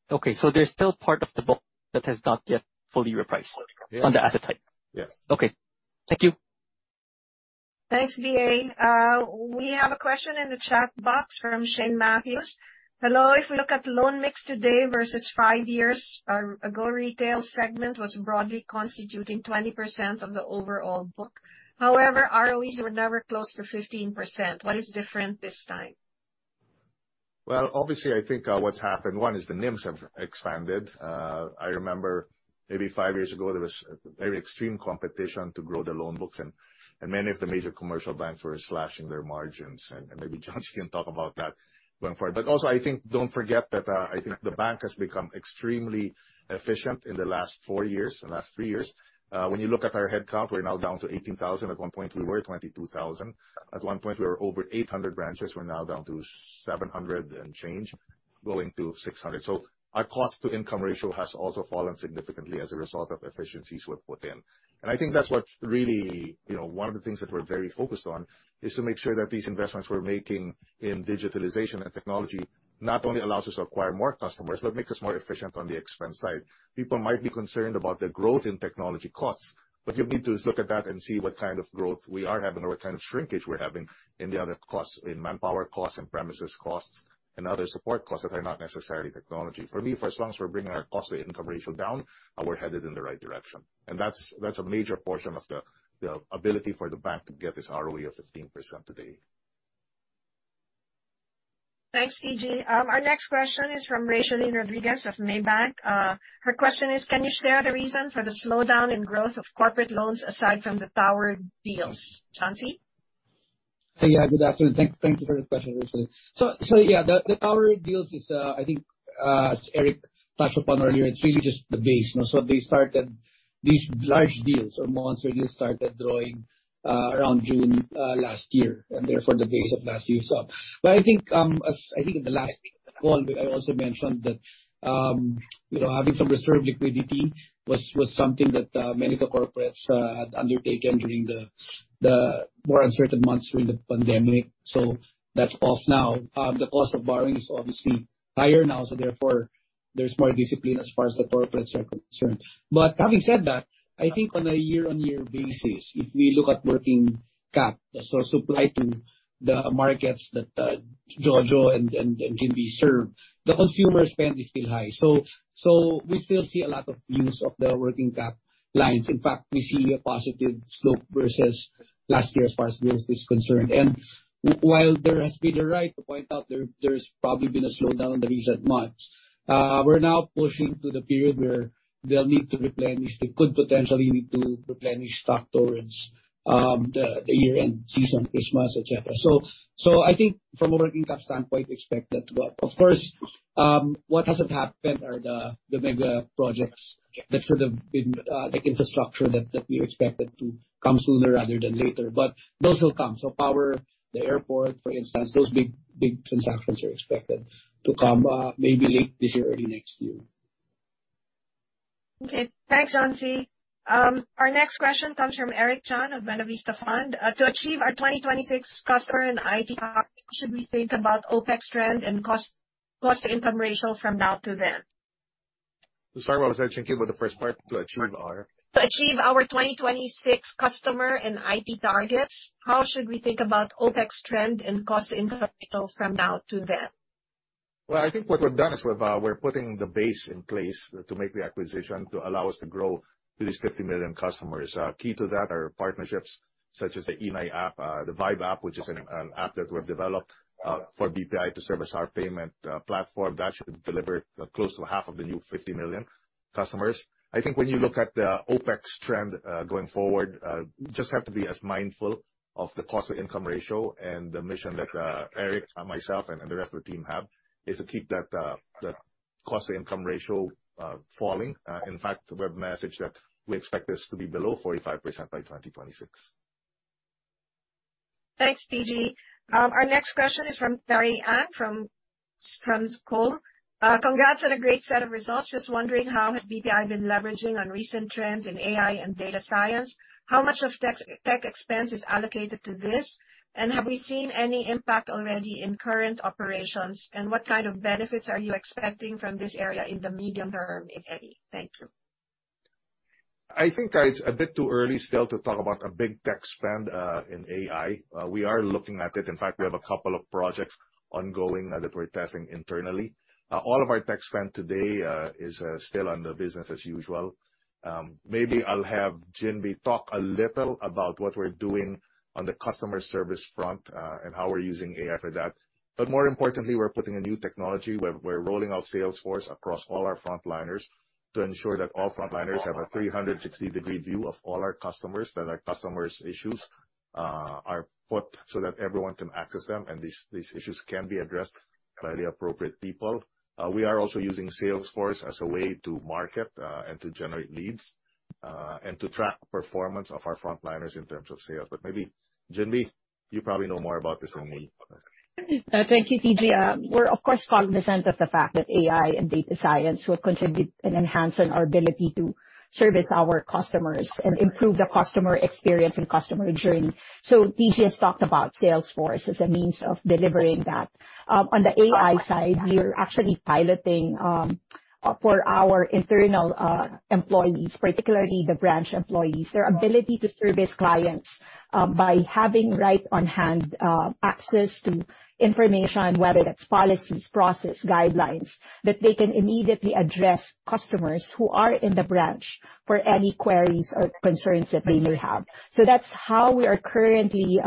Okay. There's still part of the book that has not yet fully repriced. Yes. On the asset type? Yes. Okay. Thank you. Thanks, DA. We have a question in the chat box from Shane Matthews. Hello. If we look at loan mix today versus five years ago, retail segment was broadly constituting 20% of the overall book. However, ROEs were never close to 15%. What is different this time? Well, obviously, I think, what's happened, one is the NIMs have expanded. I remember maybe 5 years ago, there was very extreme competition to grow the loan books and many of the major commercial banks were slashing their margins. Maybe John-C can talk about that going forward. Also, I think, don't forget that, I think the bank has become extremely efficient in the last four years, the last three years. When you look at our headcount, we're now down to 18,000. At one point, we were 22,000. At one point, we were over 800 branches. We're now down to 700 and change, going to 600. Our cost-to-income ratio has also fallen significantly as a result of efficiencies we've put in. I think that's what's really, you know, one of the things that we're very focused on, is to make sure that these investments we're making in digitalization and technology not only allows us to acquire more customers, but makes us more efficient on the expense side. People might be concerned about the growth in technology costs, but you need to look at that and see what kind of growth we are having or what kind of shrinkage we're having in the other costs, in manpower costs and premises costs and other support costs that are not necessarily technology. For me, for as long as we're bringing our cost-to-income ratio down, we're headed in the right direction. That's that's a major portion of the the ability for the bank to get this ROE of 15% today. Thanks, TG. Our next question is from Rachelleen Rodriguez of Maybank. Her question is, can you share the reason for the slowdown in growth of corporate loans aside from the power deals? John-C? Hey. Yeah. Good afternoon. Thank you for the question, Rachelleen. Yeah, the power deals is, I think, as Eric touched upon earlier, it's really just the base, you know? They started these large deals or monster deals started growing around June last year, and therefore the base of last year was up. I think, in the last call, I also mentioned that, you know, having some reserve liquidity was something that many of the corporates had undertaken during the more uncertain months during the pandemic. That's off now. The cost of borrowing is obviously higher now, so therefore there's more discipline as far as the corporates are concerned. Having said that, I think on a year-on-year basis, if we look at working cap, the source supply to the markets that Jojo and Ginbee served, the consumer spend is still high. We still see a lot of use of the working cap lines. In fact, we see a positive slope versus last year as far as growth is concerned. While there has been, it's right to point out that, there's probably been a slowdown in the recent months. We're now pushing to the period where they'll need to replenish. They could potentially need to replenish stock towards the year-end season, Christmas, et cetera. I think from a working cap standpoint, we expect that to go up. Of course, what hasn't happened are the mega projects that should have been the infrastructure that we expected to come sooner rather than later. Those will come. Power, the airport, for instance, those big transactions are expected to come, maybe late this year, early next year. Okay. Thanks, John-C. Our next question comes from Eric Chan of Buena Vista Fund. To achieve our 2026 customer and IT target, how should we think about OpEx trend and cost-to-income ratio from now to then? Sorry about that, Chinqui. Can you go to the first part? To achieve our? To achieve our 2026 customer and IT targets, how should we think about OpEx trend and cost to income ratio from now to then? Well, I think what we've done is we're putting the base in place to make the acquisition to allow us to grow to these 50 million customers. Key to that are partnerships such as the e'Nay app, the VYBE app, which is an app that we've developed for BPI to serve as our payment platform. That should deliver close to half of the new 50 million customers. I think when you look at the OpEx trend going forward, you just have to be as mindful of the cost to income ratio and the mission that Eric and myself and the rest of the team have is to keep that cost to income ratio falling. In fact, we have messaged that we expect this to be below 45% by 2026. Thanks, TG. Our next question is from [Terry Ang from Schroders]. Congrats on a great set of results. Just wondering how has BPI been leveraging on recent trends in AI and data science? How much of tech expense is allocated to this? And have we seen any impact already in current operations? And what kind of benefits are you expecting from this area in the medium term, if any? Thank you. I think it's a bit too early still to talk about a big tech spend in AI. We are looking at it. In fact, we have a couple of projects ongoing that we're testing internally. All of our tech spend today is still under business as usual. Maybe I'll have Ginbee talk a little about what we're doing on the customer service front and how we're using AI for that. More importantly, we're putting a new technology. We're rolling out Salesforce across all our frontliners to ensure that all frontliners have a 360-degree view of all our customers, that our customers' issues are put so that everyone can access them, and these issues can be addressed by the appropriate people. We are also using Salesforce as a way to market, and to generate leads, and to track performance of our frontliners in terms of sales. Maybe Ginbee, you probably know more about this than me. Thank you, TG. We're of course cognizant of the fact that AI and data science will contribute in enhancing our ability to service our customers and improve the customer experience and customer journey. TG has talked about Salesforce as a means of delivering that. On the AI side, we are actually piloting for our internal employees, particularly the branch employees, their ability to service clients by having right on-hand access to information, whether that's policies, process, guidelines, that they can immediately address customers who are in the branch for any queries or concerns that they may have. That's how we are currently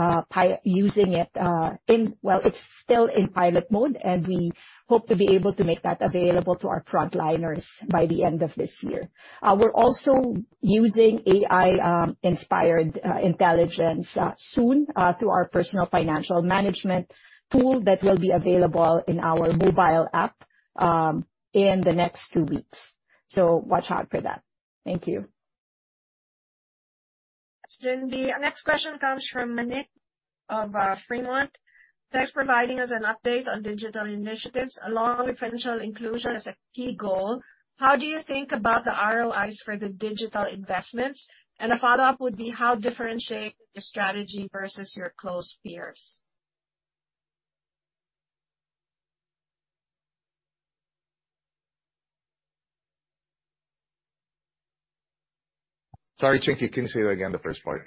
using it. Well, it's still in pilot mode, and we hope to be able to make that available to our frontliners by the end of this year. We're also using AI-inspired intelligence soon through our personal financial management tool that will be available in our mobile app in the next two weeks. Watch out for that. Thank you. Thanks, Ginbee. Our next question comes from Manik of Freemont. Thanks for providing us an update on digital initiatives. Along with financial inclusion as a key goal, how do you think about the ROIs for the digital investments? A follow-up would be, how differentiated is the strategy versus your close peers? Sorry, Chinqui. Can you say that again, the first part?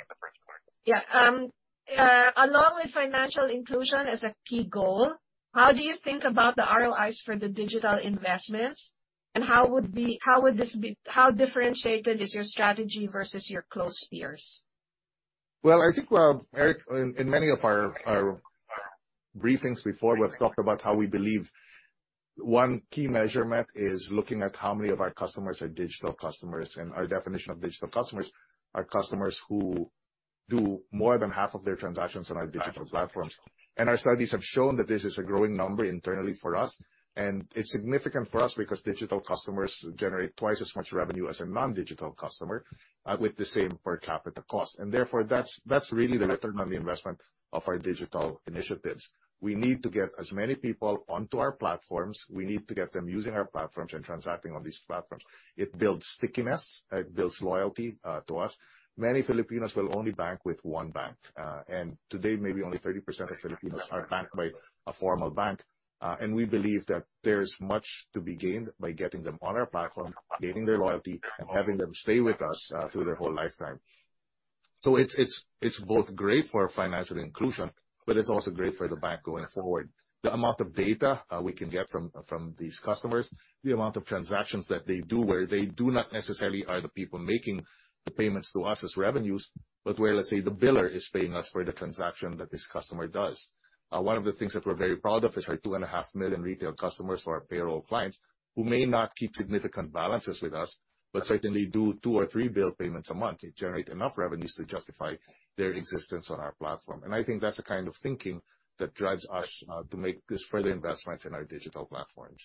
Along with financial inclusion as a key goal, how do you think about the ROIs for the digital investments, and how differentiated is your strategy versus your close peers? Well, I think, Eric, in many of our briefings before, we've talked about how we believe one key measurement is looking at how many of our customers are digital customers. Our definition of digital customers are customers who do more than half of their transactions on our digital platforms. Our studies have shown that this is a growing number internally for us, and it's significant for us because digital customers generate twice as much revenue as a non-digital customer, with the same per capita cost. Therefore, that's really the return on the investment of our digital initiatives. We need to get as many people onto our platforms. We need to get them using our platforms and transacting on these platforms. It builds stickiness. It builds loyalty to us. Many Filipinos will only bank with one bank. Today, maybe only 30% of Filipinos are banked by a formal bank. We believe that there's much to be gained by getting them on our platform, gaining their loyalty, and having them stay with us through their whole lifetime. It's both great for financial inclusion, but it's also great for the bank going forward. The amount of data we can get from these customers, the amount of transactions that they do, where they do not necessarily are the people making the payments to us as revenues, but where, let's say, the biller is paying us for the transaction that this customer does. One of the things that we're very proud of is our 2.5 million retail customers who are payroll clients, who may not keep significant balances with us, but certainly do 2 or 3 bill payments a month. They generate enough revenues to justify their existence on our platform. I think that's the kind of thinking that drives us to make these further investments in our digital platforms.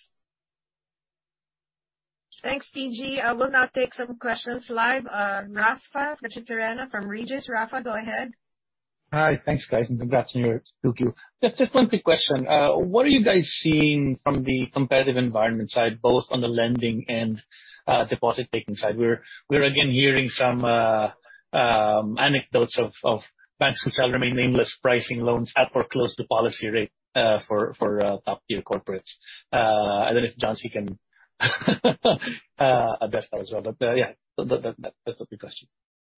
Thanks, TG. I will now take some questions live. Rafa Garchitorena from Regis Partners. Raffy, go ahead. Hi. Thanks guys, and congrats on your 2Q. Just a quick question. What are you guys seeing from the competitive environment side, both on the lending and deposit taking side? We're again hearing some anecdotes of banks who shall remain nameless, pricing loans at or close to policy rate for top tier corporates. I don't know if John-C can address that as well. Yeah, that's a quick question.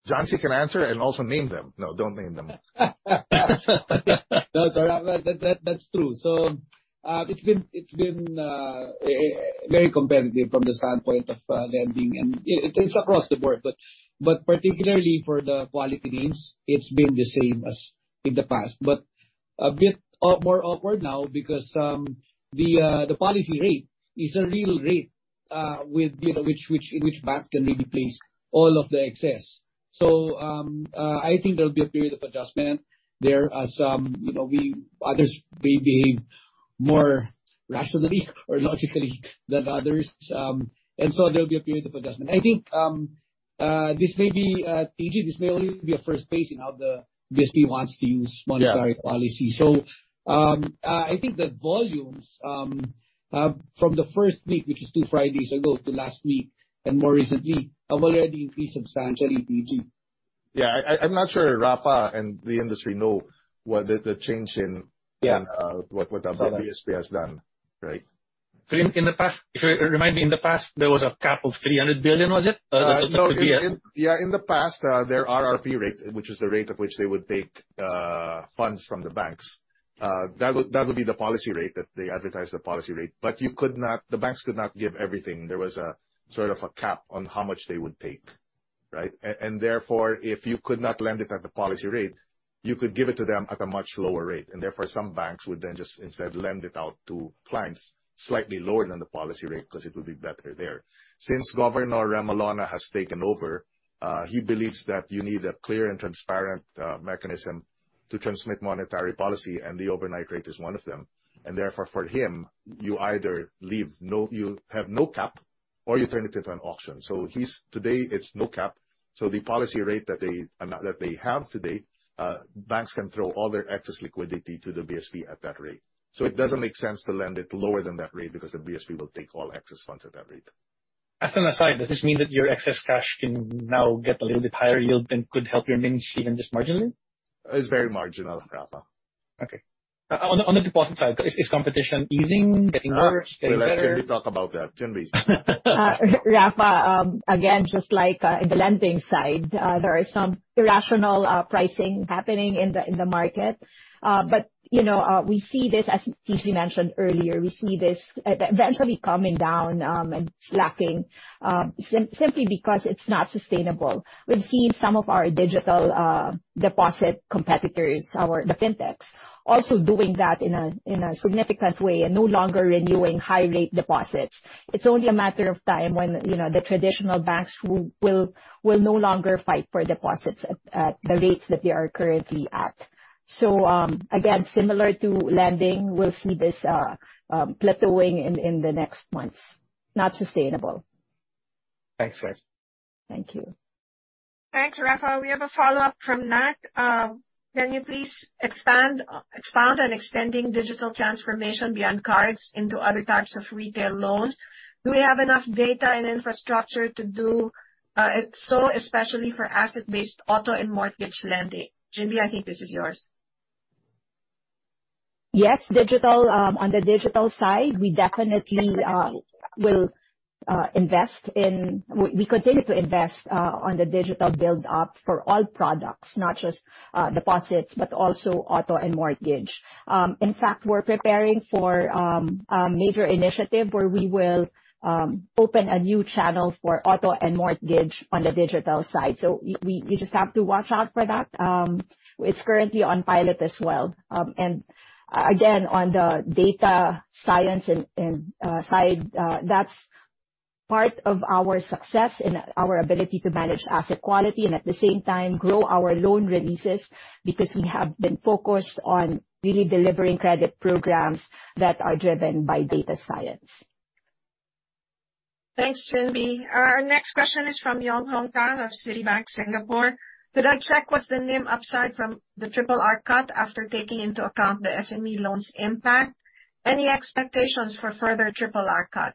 John-C can answer and also name them. No, don't name them. No, sir. That's true. It's been very competitive from the standpoint of lending. It's across the board. Particularly for the quality names, it's been the same as in the past. A bit up, more upward now because the policy rate is the real rate, with you know in which banks can really place all of the excess. I think there'll be a period of adjustment there as you know others may behave more rationally or logically than others. There'll be a period of adjustment. I think this may be, TG, only a first phase in how the BSP wants to use monetary policy. Yeah. I think the volumes from the first week, which is two Fridays ago, to last week and more recently, have already increased substantially, TG. Yeah. I'm not sure Rafa and the industry know what the change in- Yeah. In what the BSP has done, right? In the past, if you remind me, in the past, there was a cap of 300 billion, was it? of the BSP. No. In the past, their RRP rate, which is the rate at which they would take funds from the banks, that would be the policy rate that they advertise as the policy rate. You could not. The banks could not give everything. There was a sort of a cap on how much they would take, right? Therefore, if you could not lend it at the policy rate, you could give it to them at a much lower rate. Therefore, some banks would then just instead lend it out to clients slightly lower than the policy rate 'cause it would be better there. Since Governor Remolona has taken over, he believes that you need a clear and transparent mechanism to transmit monetary policy, and the overnight rate is one of them. Therefore, for him, you either have no cap or you turn it into an auction. Today, it's no cap, so the policy rate that they have today, banks can throw all their excess liquidity to the BSP at that rate. It doesn't make sense to lend it lower than that rate because the BSP will take all excess funds at that rate. As an aside, does this mean that your excess cash can now get a little bit higher yield than could help your minions even just marginally? It's very marginal, Rafa. Okay. On the deposit side, is competition easing, getting worse, getting better? Well, let Ginbee talk about that. Ginbee, please. Rafa, again, just like in the lending side, there are some irrational pricing happening in the market. You know, we see this, as TG mentioned earlier, we see this eventually coming down simply because it's not sustainable. We've seen some of our digital deposit competitors, the fintechs also doing that in a significant way and no longer renewing high rate deposits. It's only a matter of time when, you know, the traditional banks will no longer fight for deposits at the rates that they are currently at. Again, similar to lending, we'll see this flattening in the next months. Not sustainable. Thanks, guys. Thank you. Thanks, Rafa. We have a follow-up from Nat. Can you please expand on extending digital transformation beyond cards into other types of retail loans? Do we have enough data and infrastructure to do so, especially for asset-based auto and mortgage lending? Ginbee, I think this is yours. Yes. On the digital side, we continue to invest on the digital build-up for all products, not just deposits, but also auto and mortgage. In fact, we're preparing for a major initiative where we will open a new channel for auto and mortgage on the digital side. You just have to watch out for that. It's currently on pilot as well. Again, on the data science side, that's part of our success and our ability to manage asset quality and at the same time grow our loan releases because we have been focused on really delivering credit programs that are driven by data science. Thanks, Ginbee. Our next question is from Yong Hong Tan of Citibank Singapore. Could I check what's the NIM upside from the RRR cut after taking into account the SME loans impact? Any expectations for further RRR cut?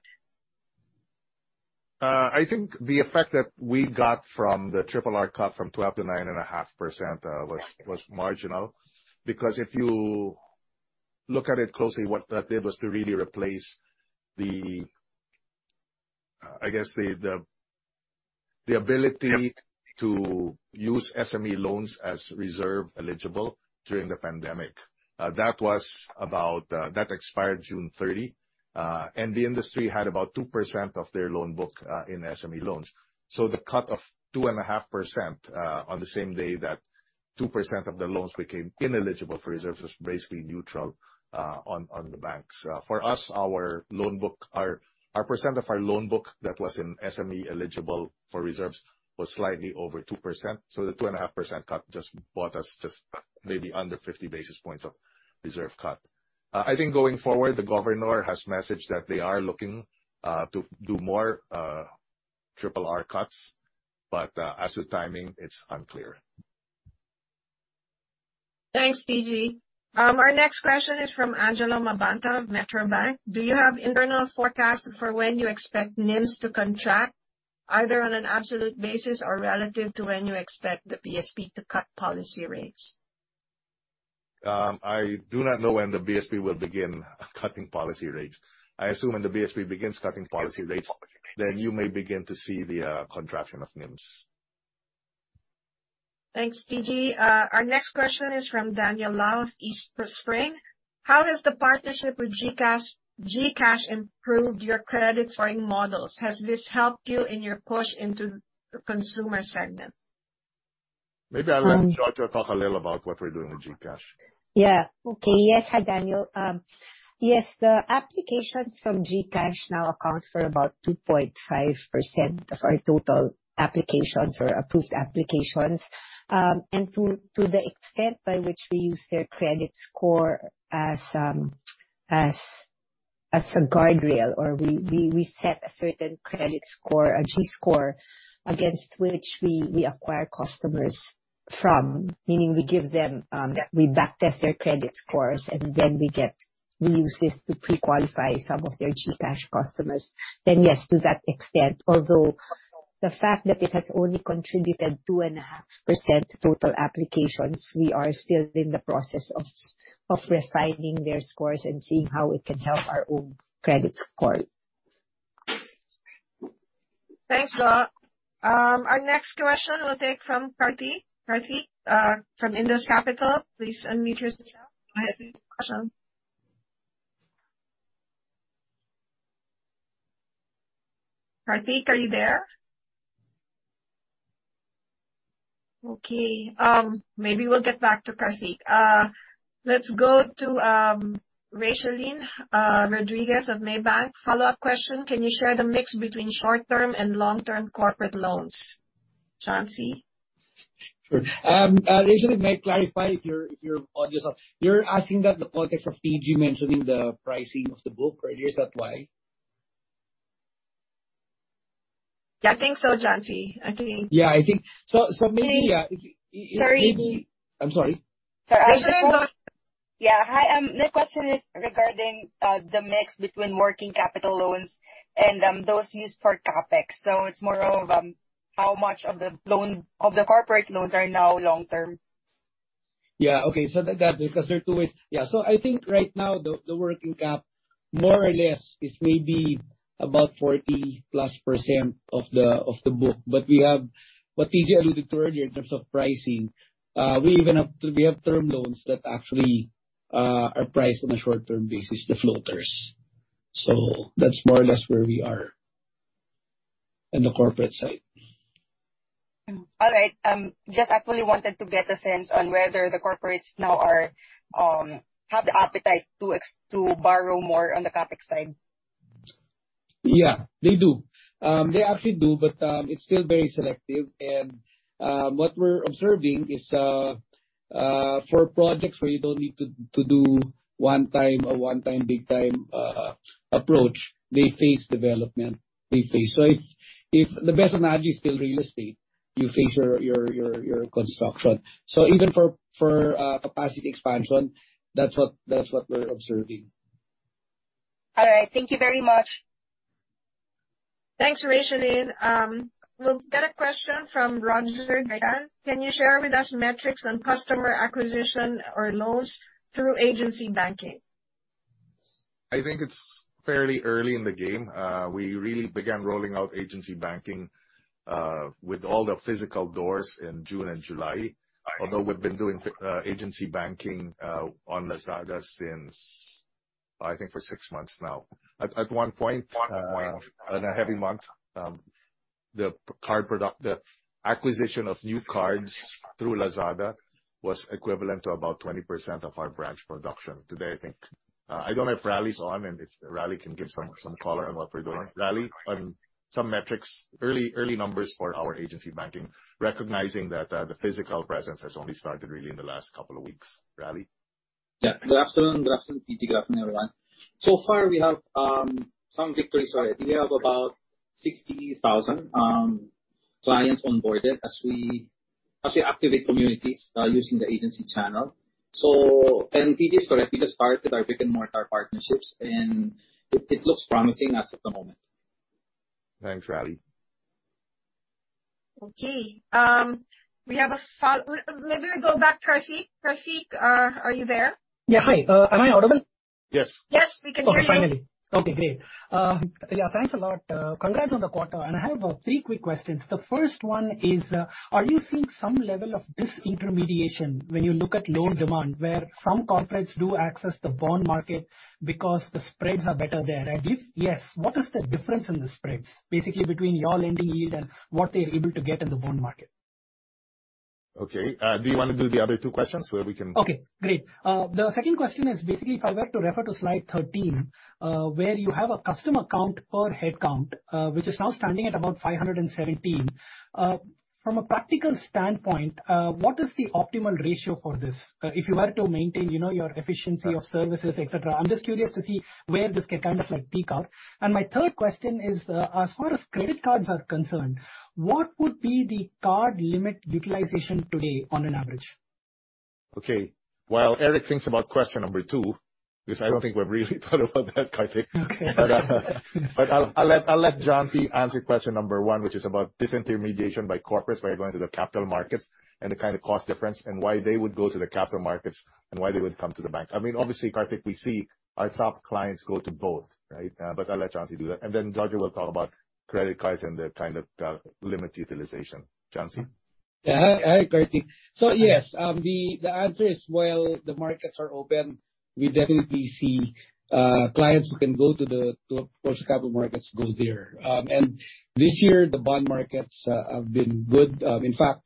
I think the effect that we got from the RRR cut from 12 to 9.5% was marginal. Because if you look at it closely, what that did was to really replace the, I guess the ability to use SME loans as reserve eligible during the pandemic. That was about that expired June 30. The industry had about 2% of their loan book in SME loans. The cut of 2.5% on the same day that 2% of the loans became ineligible for reserves was basically neutral on the banks. For us, our loan book, our percent of our loan book that was in SME eligible for reserves was slightly over 2%. The 2.5% cut just bought us just maybe under 50 basis points of reserve cut. I think going forward, the governor has messaged that they are looking to do more RRR cuts. As to timing, it's unclear. Thanks, TG. Our next question is from Angelo Mabanta of Metrobank. Do you have internal forecasts for when you expect NIMs to contract, either on an absolute basis or relative to when you expect the BSP to cut policy rates? I do not know when the BSP will begin cutting policy rates. I assume when the BSP begins cutting policy rates, then you may begin to see the contraction of NIMs. Thanks, TG. Our next question is from Daniel Lau of Eastspring Investments. How has the partnership with GCash improved your credit scoring models? Has this helped you in your push into the consumer segment? Maybe I'll let Jo to talk a little about what we're doing with GCash. Yeah. Okay. Yes. Hi, Daniel. Yes, the applications from GCash now account for about 2.5% of our total applications or approved applications. To the extent by which we use their credit score as a guardrail or we set a certain credit score, a GScore, against which we acquire customers from. Meaning we give them, we backtest their credit scores, and then we use this to pre-qualify some of their GCash customers. Yes, to that extent. Although the fact that it has only contributed 2.5% total applications, we are still in the process of refining their scores and seeing how it can help our own credit score. Thanks, Jo. Our next question we'll take from Karthik. Karthik from Indus Capital Partners. Please unmute yourself. Go ahead with your question. Karthik, are you there? Okay. Maybe we'll get back to Karthik. Let's go to Rachelleen Rodriguez of Maybank. Follow-up question. Can you share the mix between short-term and long-term corporate loans? John-C? Sure. Rachelleen, may I clarify if you're on yourself. You're asking that in the context of TG mentioning the pricing of the book, right? Is that why? Yeah, I think so, John-C. Yeah, I think maybe. Sorry. I'm sorry. Sorry. Yeah. Hi, my question is regarding the mix between working capital loans and those used for CapEx. It's more of how much of the loan, of the corporate loans are now long term. That because there are two ways. I think right now the working cap more or less is maybe about 40+% of the book. But we have what TG alluded to earlier in terms of pricing. We have term loans that actually are priced on a short-term basis, the floaters. That's more or less where we are in the corporate side. All right. Just actually wanted to get a sense on whether the corporates now are have the appetite to borrow more on the CapEx side. Yeah, they do. They actually do, but it's still very selective. What we're observing is for projects where you don't need to do one time big time approach, they face development. If the best analogy is still real estate, you face your construction. Even for capacity expansion, that's what we're observing. All right. Thank you very much. Thanks, Rachelleen. We've got a question from Roger Dylan. Can you share with us metrics on customer acquisition or loans through agency banking? I think it's fairly early in the game. We really began rolling out agency banking with all the physical doors in June and July. Although we've been doing agency banking on Lazada since, I think for six months now. At one point in a heavy month, the acquisition of new cards through Lazada was equivalent to about 20% of our branch production. Today, I think, I don't know if Rally is on and if Rally can give some color on what we're doing. Rally, some metrics, early numbers for our agency banking, recognizing that the physical presence has only started really in the last couple of weeks. Rally? Yeah. Good afternoon. Good afternoon, TG. Good afternoon, everyone. So far, we have some victories. I think we have about 60,000 clients onboarded as we activate communities using the agency channel. TG, sorry, we just started our PickMart partnerships, and it looks promising as of the moment. Thanks, Rally. Maybe we go back to Karthik. Karthik, are you there? Yeah. Hi. Am I audible? Yes. Yes. We can hear you. Okay, finally. Okay, great. Yeah, thanks a lot. Congrats on the quarter. I have three quick questions. The first one is, are you seeing some level of disintermediation when you look at loan demand, where some corporates do access the bond market because the spreads are better there? And if yes, what is the difference in the spreads, basically between your lending yield and what they're able to get in the bond market? Okay. Do you wanna do the other two questions so that we can- Okay, great. The second question is basically if I were to refer to slide 13, where you have a customer count per headcount, which is now standing at about 517. From a practical standpoint, what is the optimal ratio for this, if you were to maintain, you know, your efficiency of services, et cetera? I'm just curious to see where this can kind of like peak out. My third question is, as far as credit cards are concerned, what would be the card limit utilization today on an average? Okay. While Eric thinks about question number two, because I don't think we've really thought about that, Karthik. Okay. I'll let John-C answer question number one, which is about disintermediation by corporates where you're going to the capital markets and the kind of cost difference and why they would go to the capital markets and why they would come to the bank. I mean, obviously, Karthik, we see our top clients go to both, right? I'll let John-C do that. Then Jojo will talk about credit cards and the kind of limit utilization. John-C? Yeah. Hi, Karthik. Yes, the answer is, while the markets are open, we definitely see clients who can go to approach the capital markets go there. This year the bond markets have been good. In fact,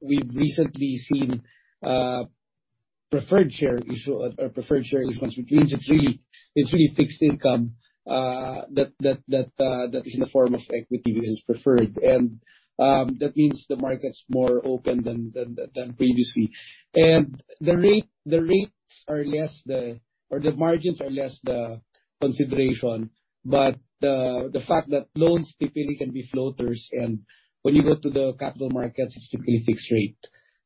we've recently seen preferred share issue or preferred share issuance, which means it's really fixed income that is in the form of equity is preferred. That means the market's more open than previously. The rates are less of a consideration or the margins are less of a consideration, but the fact that loans typically can be floaters, and when you go to the capital markets, it's typically fixed rate.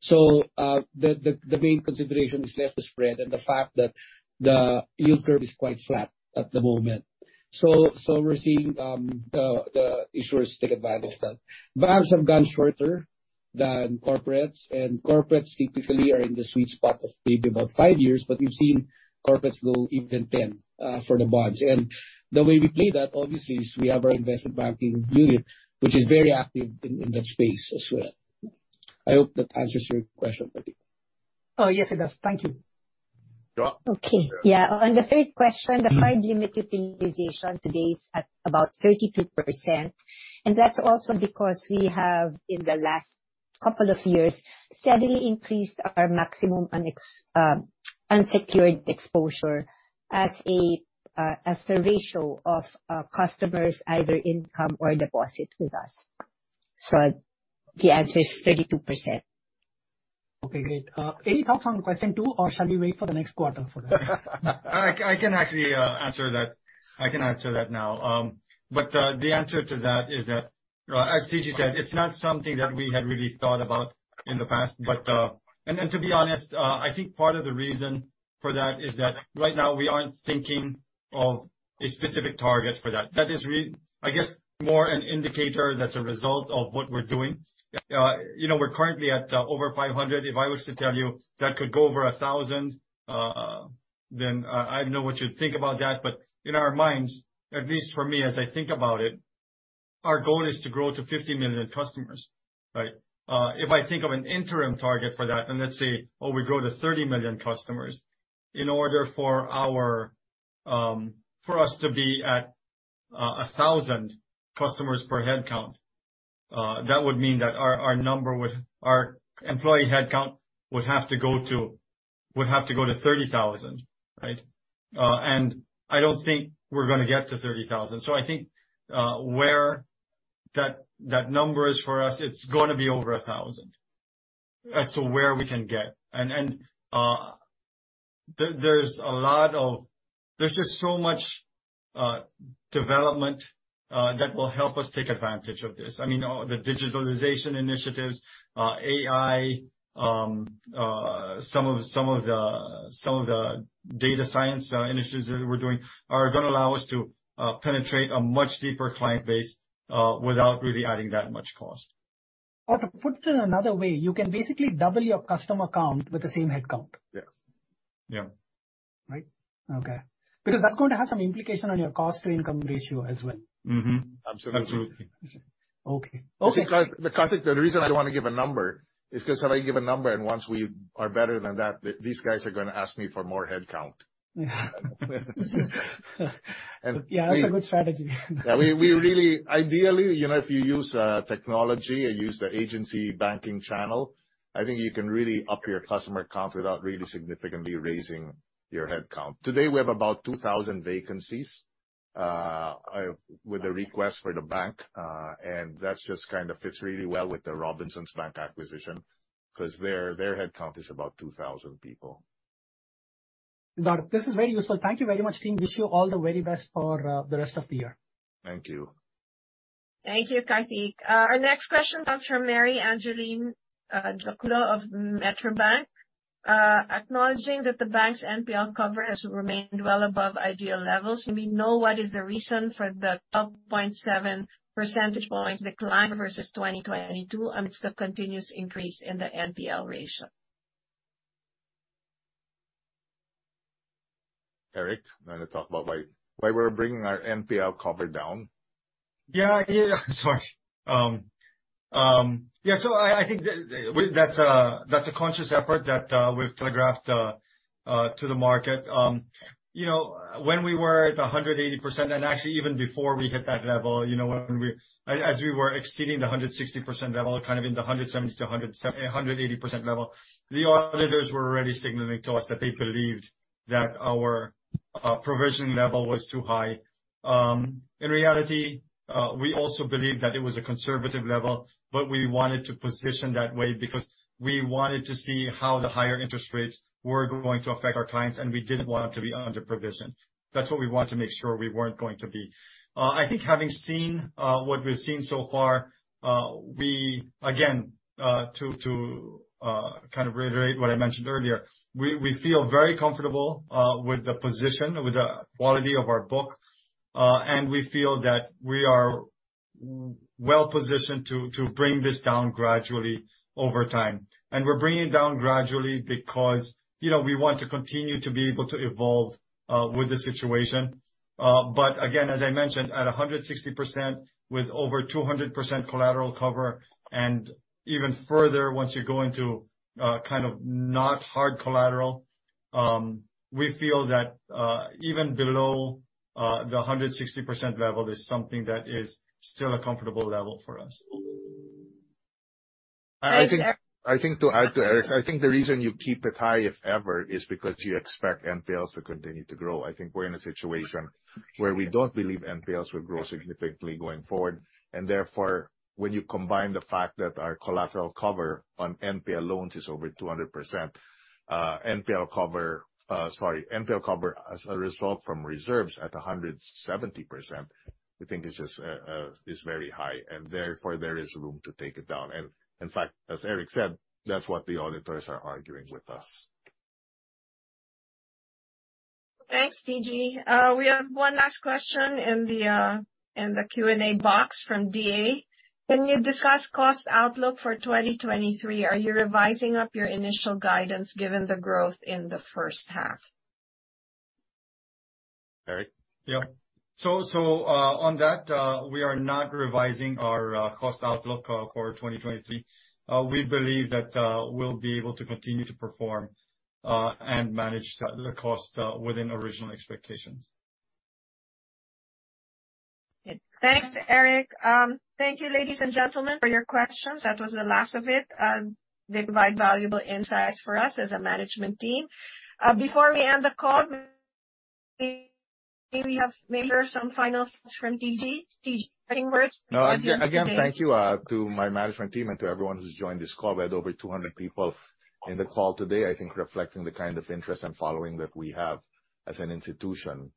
The main consideration is less the spread and the fact that the yield curve is quite flat at the moment. We're seeing the issuers take advantage of that. Banks have gone shorter than corporates, and corporates typically are in the sweet spot of maybe about 5 years. We've seen corporates go even 10 for the bonds. The way we play that obviously is we have our investment banking unit, which is very active in that space as well. I hope that answers your question, Karthik. Oh, yes, it does. Thank you. Jo. Okay. Yeah. On the third question, the card limit utilization today is at about 32%, and that's also because we have, in the last couple of years, steadily increased our maximum unsecured exposure as the ratio of customers' either income or deposit with us. The answer is 32%. Okay, great. Any thoughts on question two, or shall we wait for the next quarter for that? I can actually answer that. I can answer that now. The answer to that is that as TG said, it's not something that we had really thought about in the past. To be honest, I think part of the reason for that is that right now we aren't thinking of a specific target for that. That is, I guess, more an indicator that's a result of what we're doing. You know, we're currently at over 500. If I was to tell you that could go over 1,000, then I don't know what you'd think about that. In our minds, at least for me, as I think about it, our goal is to grow to 50 million customers, right? If I think of an interim target for that, and let's say we grow to 30 million customers, in order for us to be at 1,000 customers per head count, that would mean that our employee head count would have to go to 30,000, right? I don't think we're gonna get to 30,000. I think where that number is for us, it's gonna be over 1,000 as to where we can get. There's just so much development that will help us take advantage of this. I mean, the digitalization initiatives, AI, some of the data science initiatives that we're doing are gonna allow us to penetrate a much deeper client base, without really adding that much cost. To put it another way, you can basically double your customer count with the same head count. Yes. Yeah. Right? Okay. Because that's going to have some implication on your cost-to-income ratio as well. Absolutely. Absolutely. Okay. You see, because Karthik, the reason I don't wanna give a number is 'cause if I give a number, and once we are better than that, these guys are gonna ask me for more head count. Yeah, that's a good strategy. Yeah. We really ideally, you know, if you use technology or use the agency banking channel, I think you can really up your customer count without really significantly raising your head count. Today we have about 2,000 vacancies with a request for the bank. That just kind of fits really well with the Robinsons Bank acquisition, 'cause their head count is about 2,000 people. Got it. This is very useful. Thank you very much, team. Wish you all the very best for the rest of the year. Thank you. Thank you, Karthik. Our next question comes from Mary Angeline Jacolo of Metrobank. Acknowledging that the bank's NPL cover has remained well above ideal levels, can we know what is the reason for the 12.7 percentage points decline versus 2022 amidst the continuous increase in the NPL ratio? Eric, you wanna talk about why we're bringing our NPL cover down? Yeah. Sorry. Yeah, I think that's a conscious effort that we've telegraphed to the market. You know, when we were at 180%, and actually even before we hit that level, you know, when, as we were exceeding the 160% level, kind of in the 170%-180% level, the auditors were already signaling to us that they believed that our provisioning level was too high. In reality, we also believe that it was a conservative level, but we wanted to position that way because we wanted to see how the higher interest rates were going to affect our clients, and we didn't want them to be under provision. That's what we want to make sure we weren't going to be. I think having seen what we've seen so far, we again to kind of reiterate what I mentioned earlier, we feel very comfortable with the position, with the quality of our book, and we feel that we are well positioned to bring this down gradually over time. We're bringing it down gradually because, you know, we want to continue to be able to evolve with the situation. Again, as I mentioned, at 160% with over 200% collateral cover and even further once you go into kind of not hard collateral, we feel that even below the 160% level is something that is still a comfortable level for us. I think to add to Eric's, the reason you keep it high, if ever, is because you expect NPLs to continue to grow. I think we're in a situation where we don't believe NPLs will grow significantly going forward. Therefore, when you combine the fact that our collateral cover on NPL loans is over 200%, NPL cover as a result from reserves at 170%, we think it's just very high, and therefore there is room to take it down. In fact, as Eric said, that's what the auditors are arguing with us. Thanks, TG. We have one last question in the Q&A box from DA. Can you discuss cost outlook for 2023? Are you revising up your initial guidance given the growth in the first half? Eric? On that, we are not revising our cost outlook for 2023. We believe that we'll be able to continue to perform and manage the cost within original expectations. Thanks, Eric. Thank you, ladies and gentlemen, for your questions. That was the last of it. They provide valuable insights for us as a management team. Before we end the call, maybe we have some final thoughts from TG. TG, any words? Again, thank you to my management team and to everyone who's joined this call. We had over 200 people in the call today, I think reflecting the kind of interest and following that we have as an institution.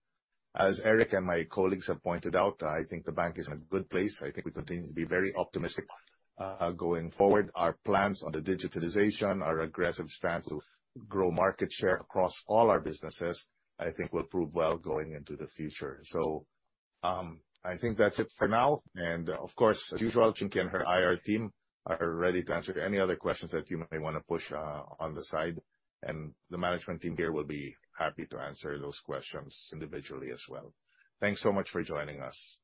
As Eric and my colleagues have pointed out, I think the bank is in a good place. I think we continue to be very optimistic going forward. Our plans on the digitalization, our aggressive stance to grow market share across all our businesses, I think will prove well going into the future. I think that's it for now. Of course, as usual, Chinqui and her IR team are ready to answer any other questions that you might wanna push on the side. The management team here will be happy to answer those questions individually as well. Thanks so much for joining us.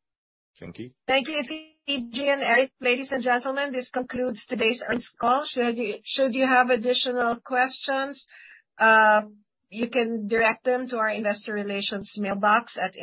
Chinqui? Thank you, TG and Eric. Ladies and gentlemen, this concludes today's earnings call. Should you have additional questions, you can direct them to our investor relations mailbox at IR.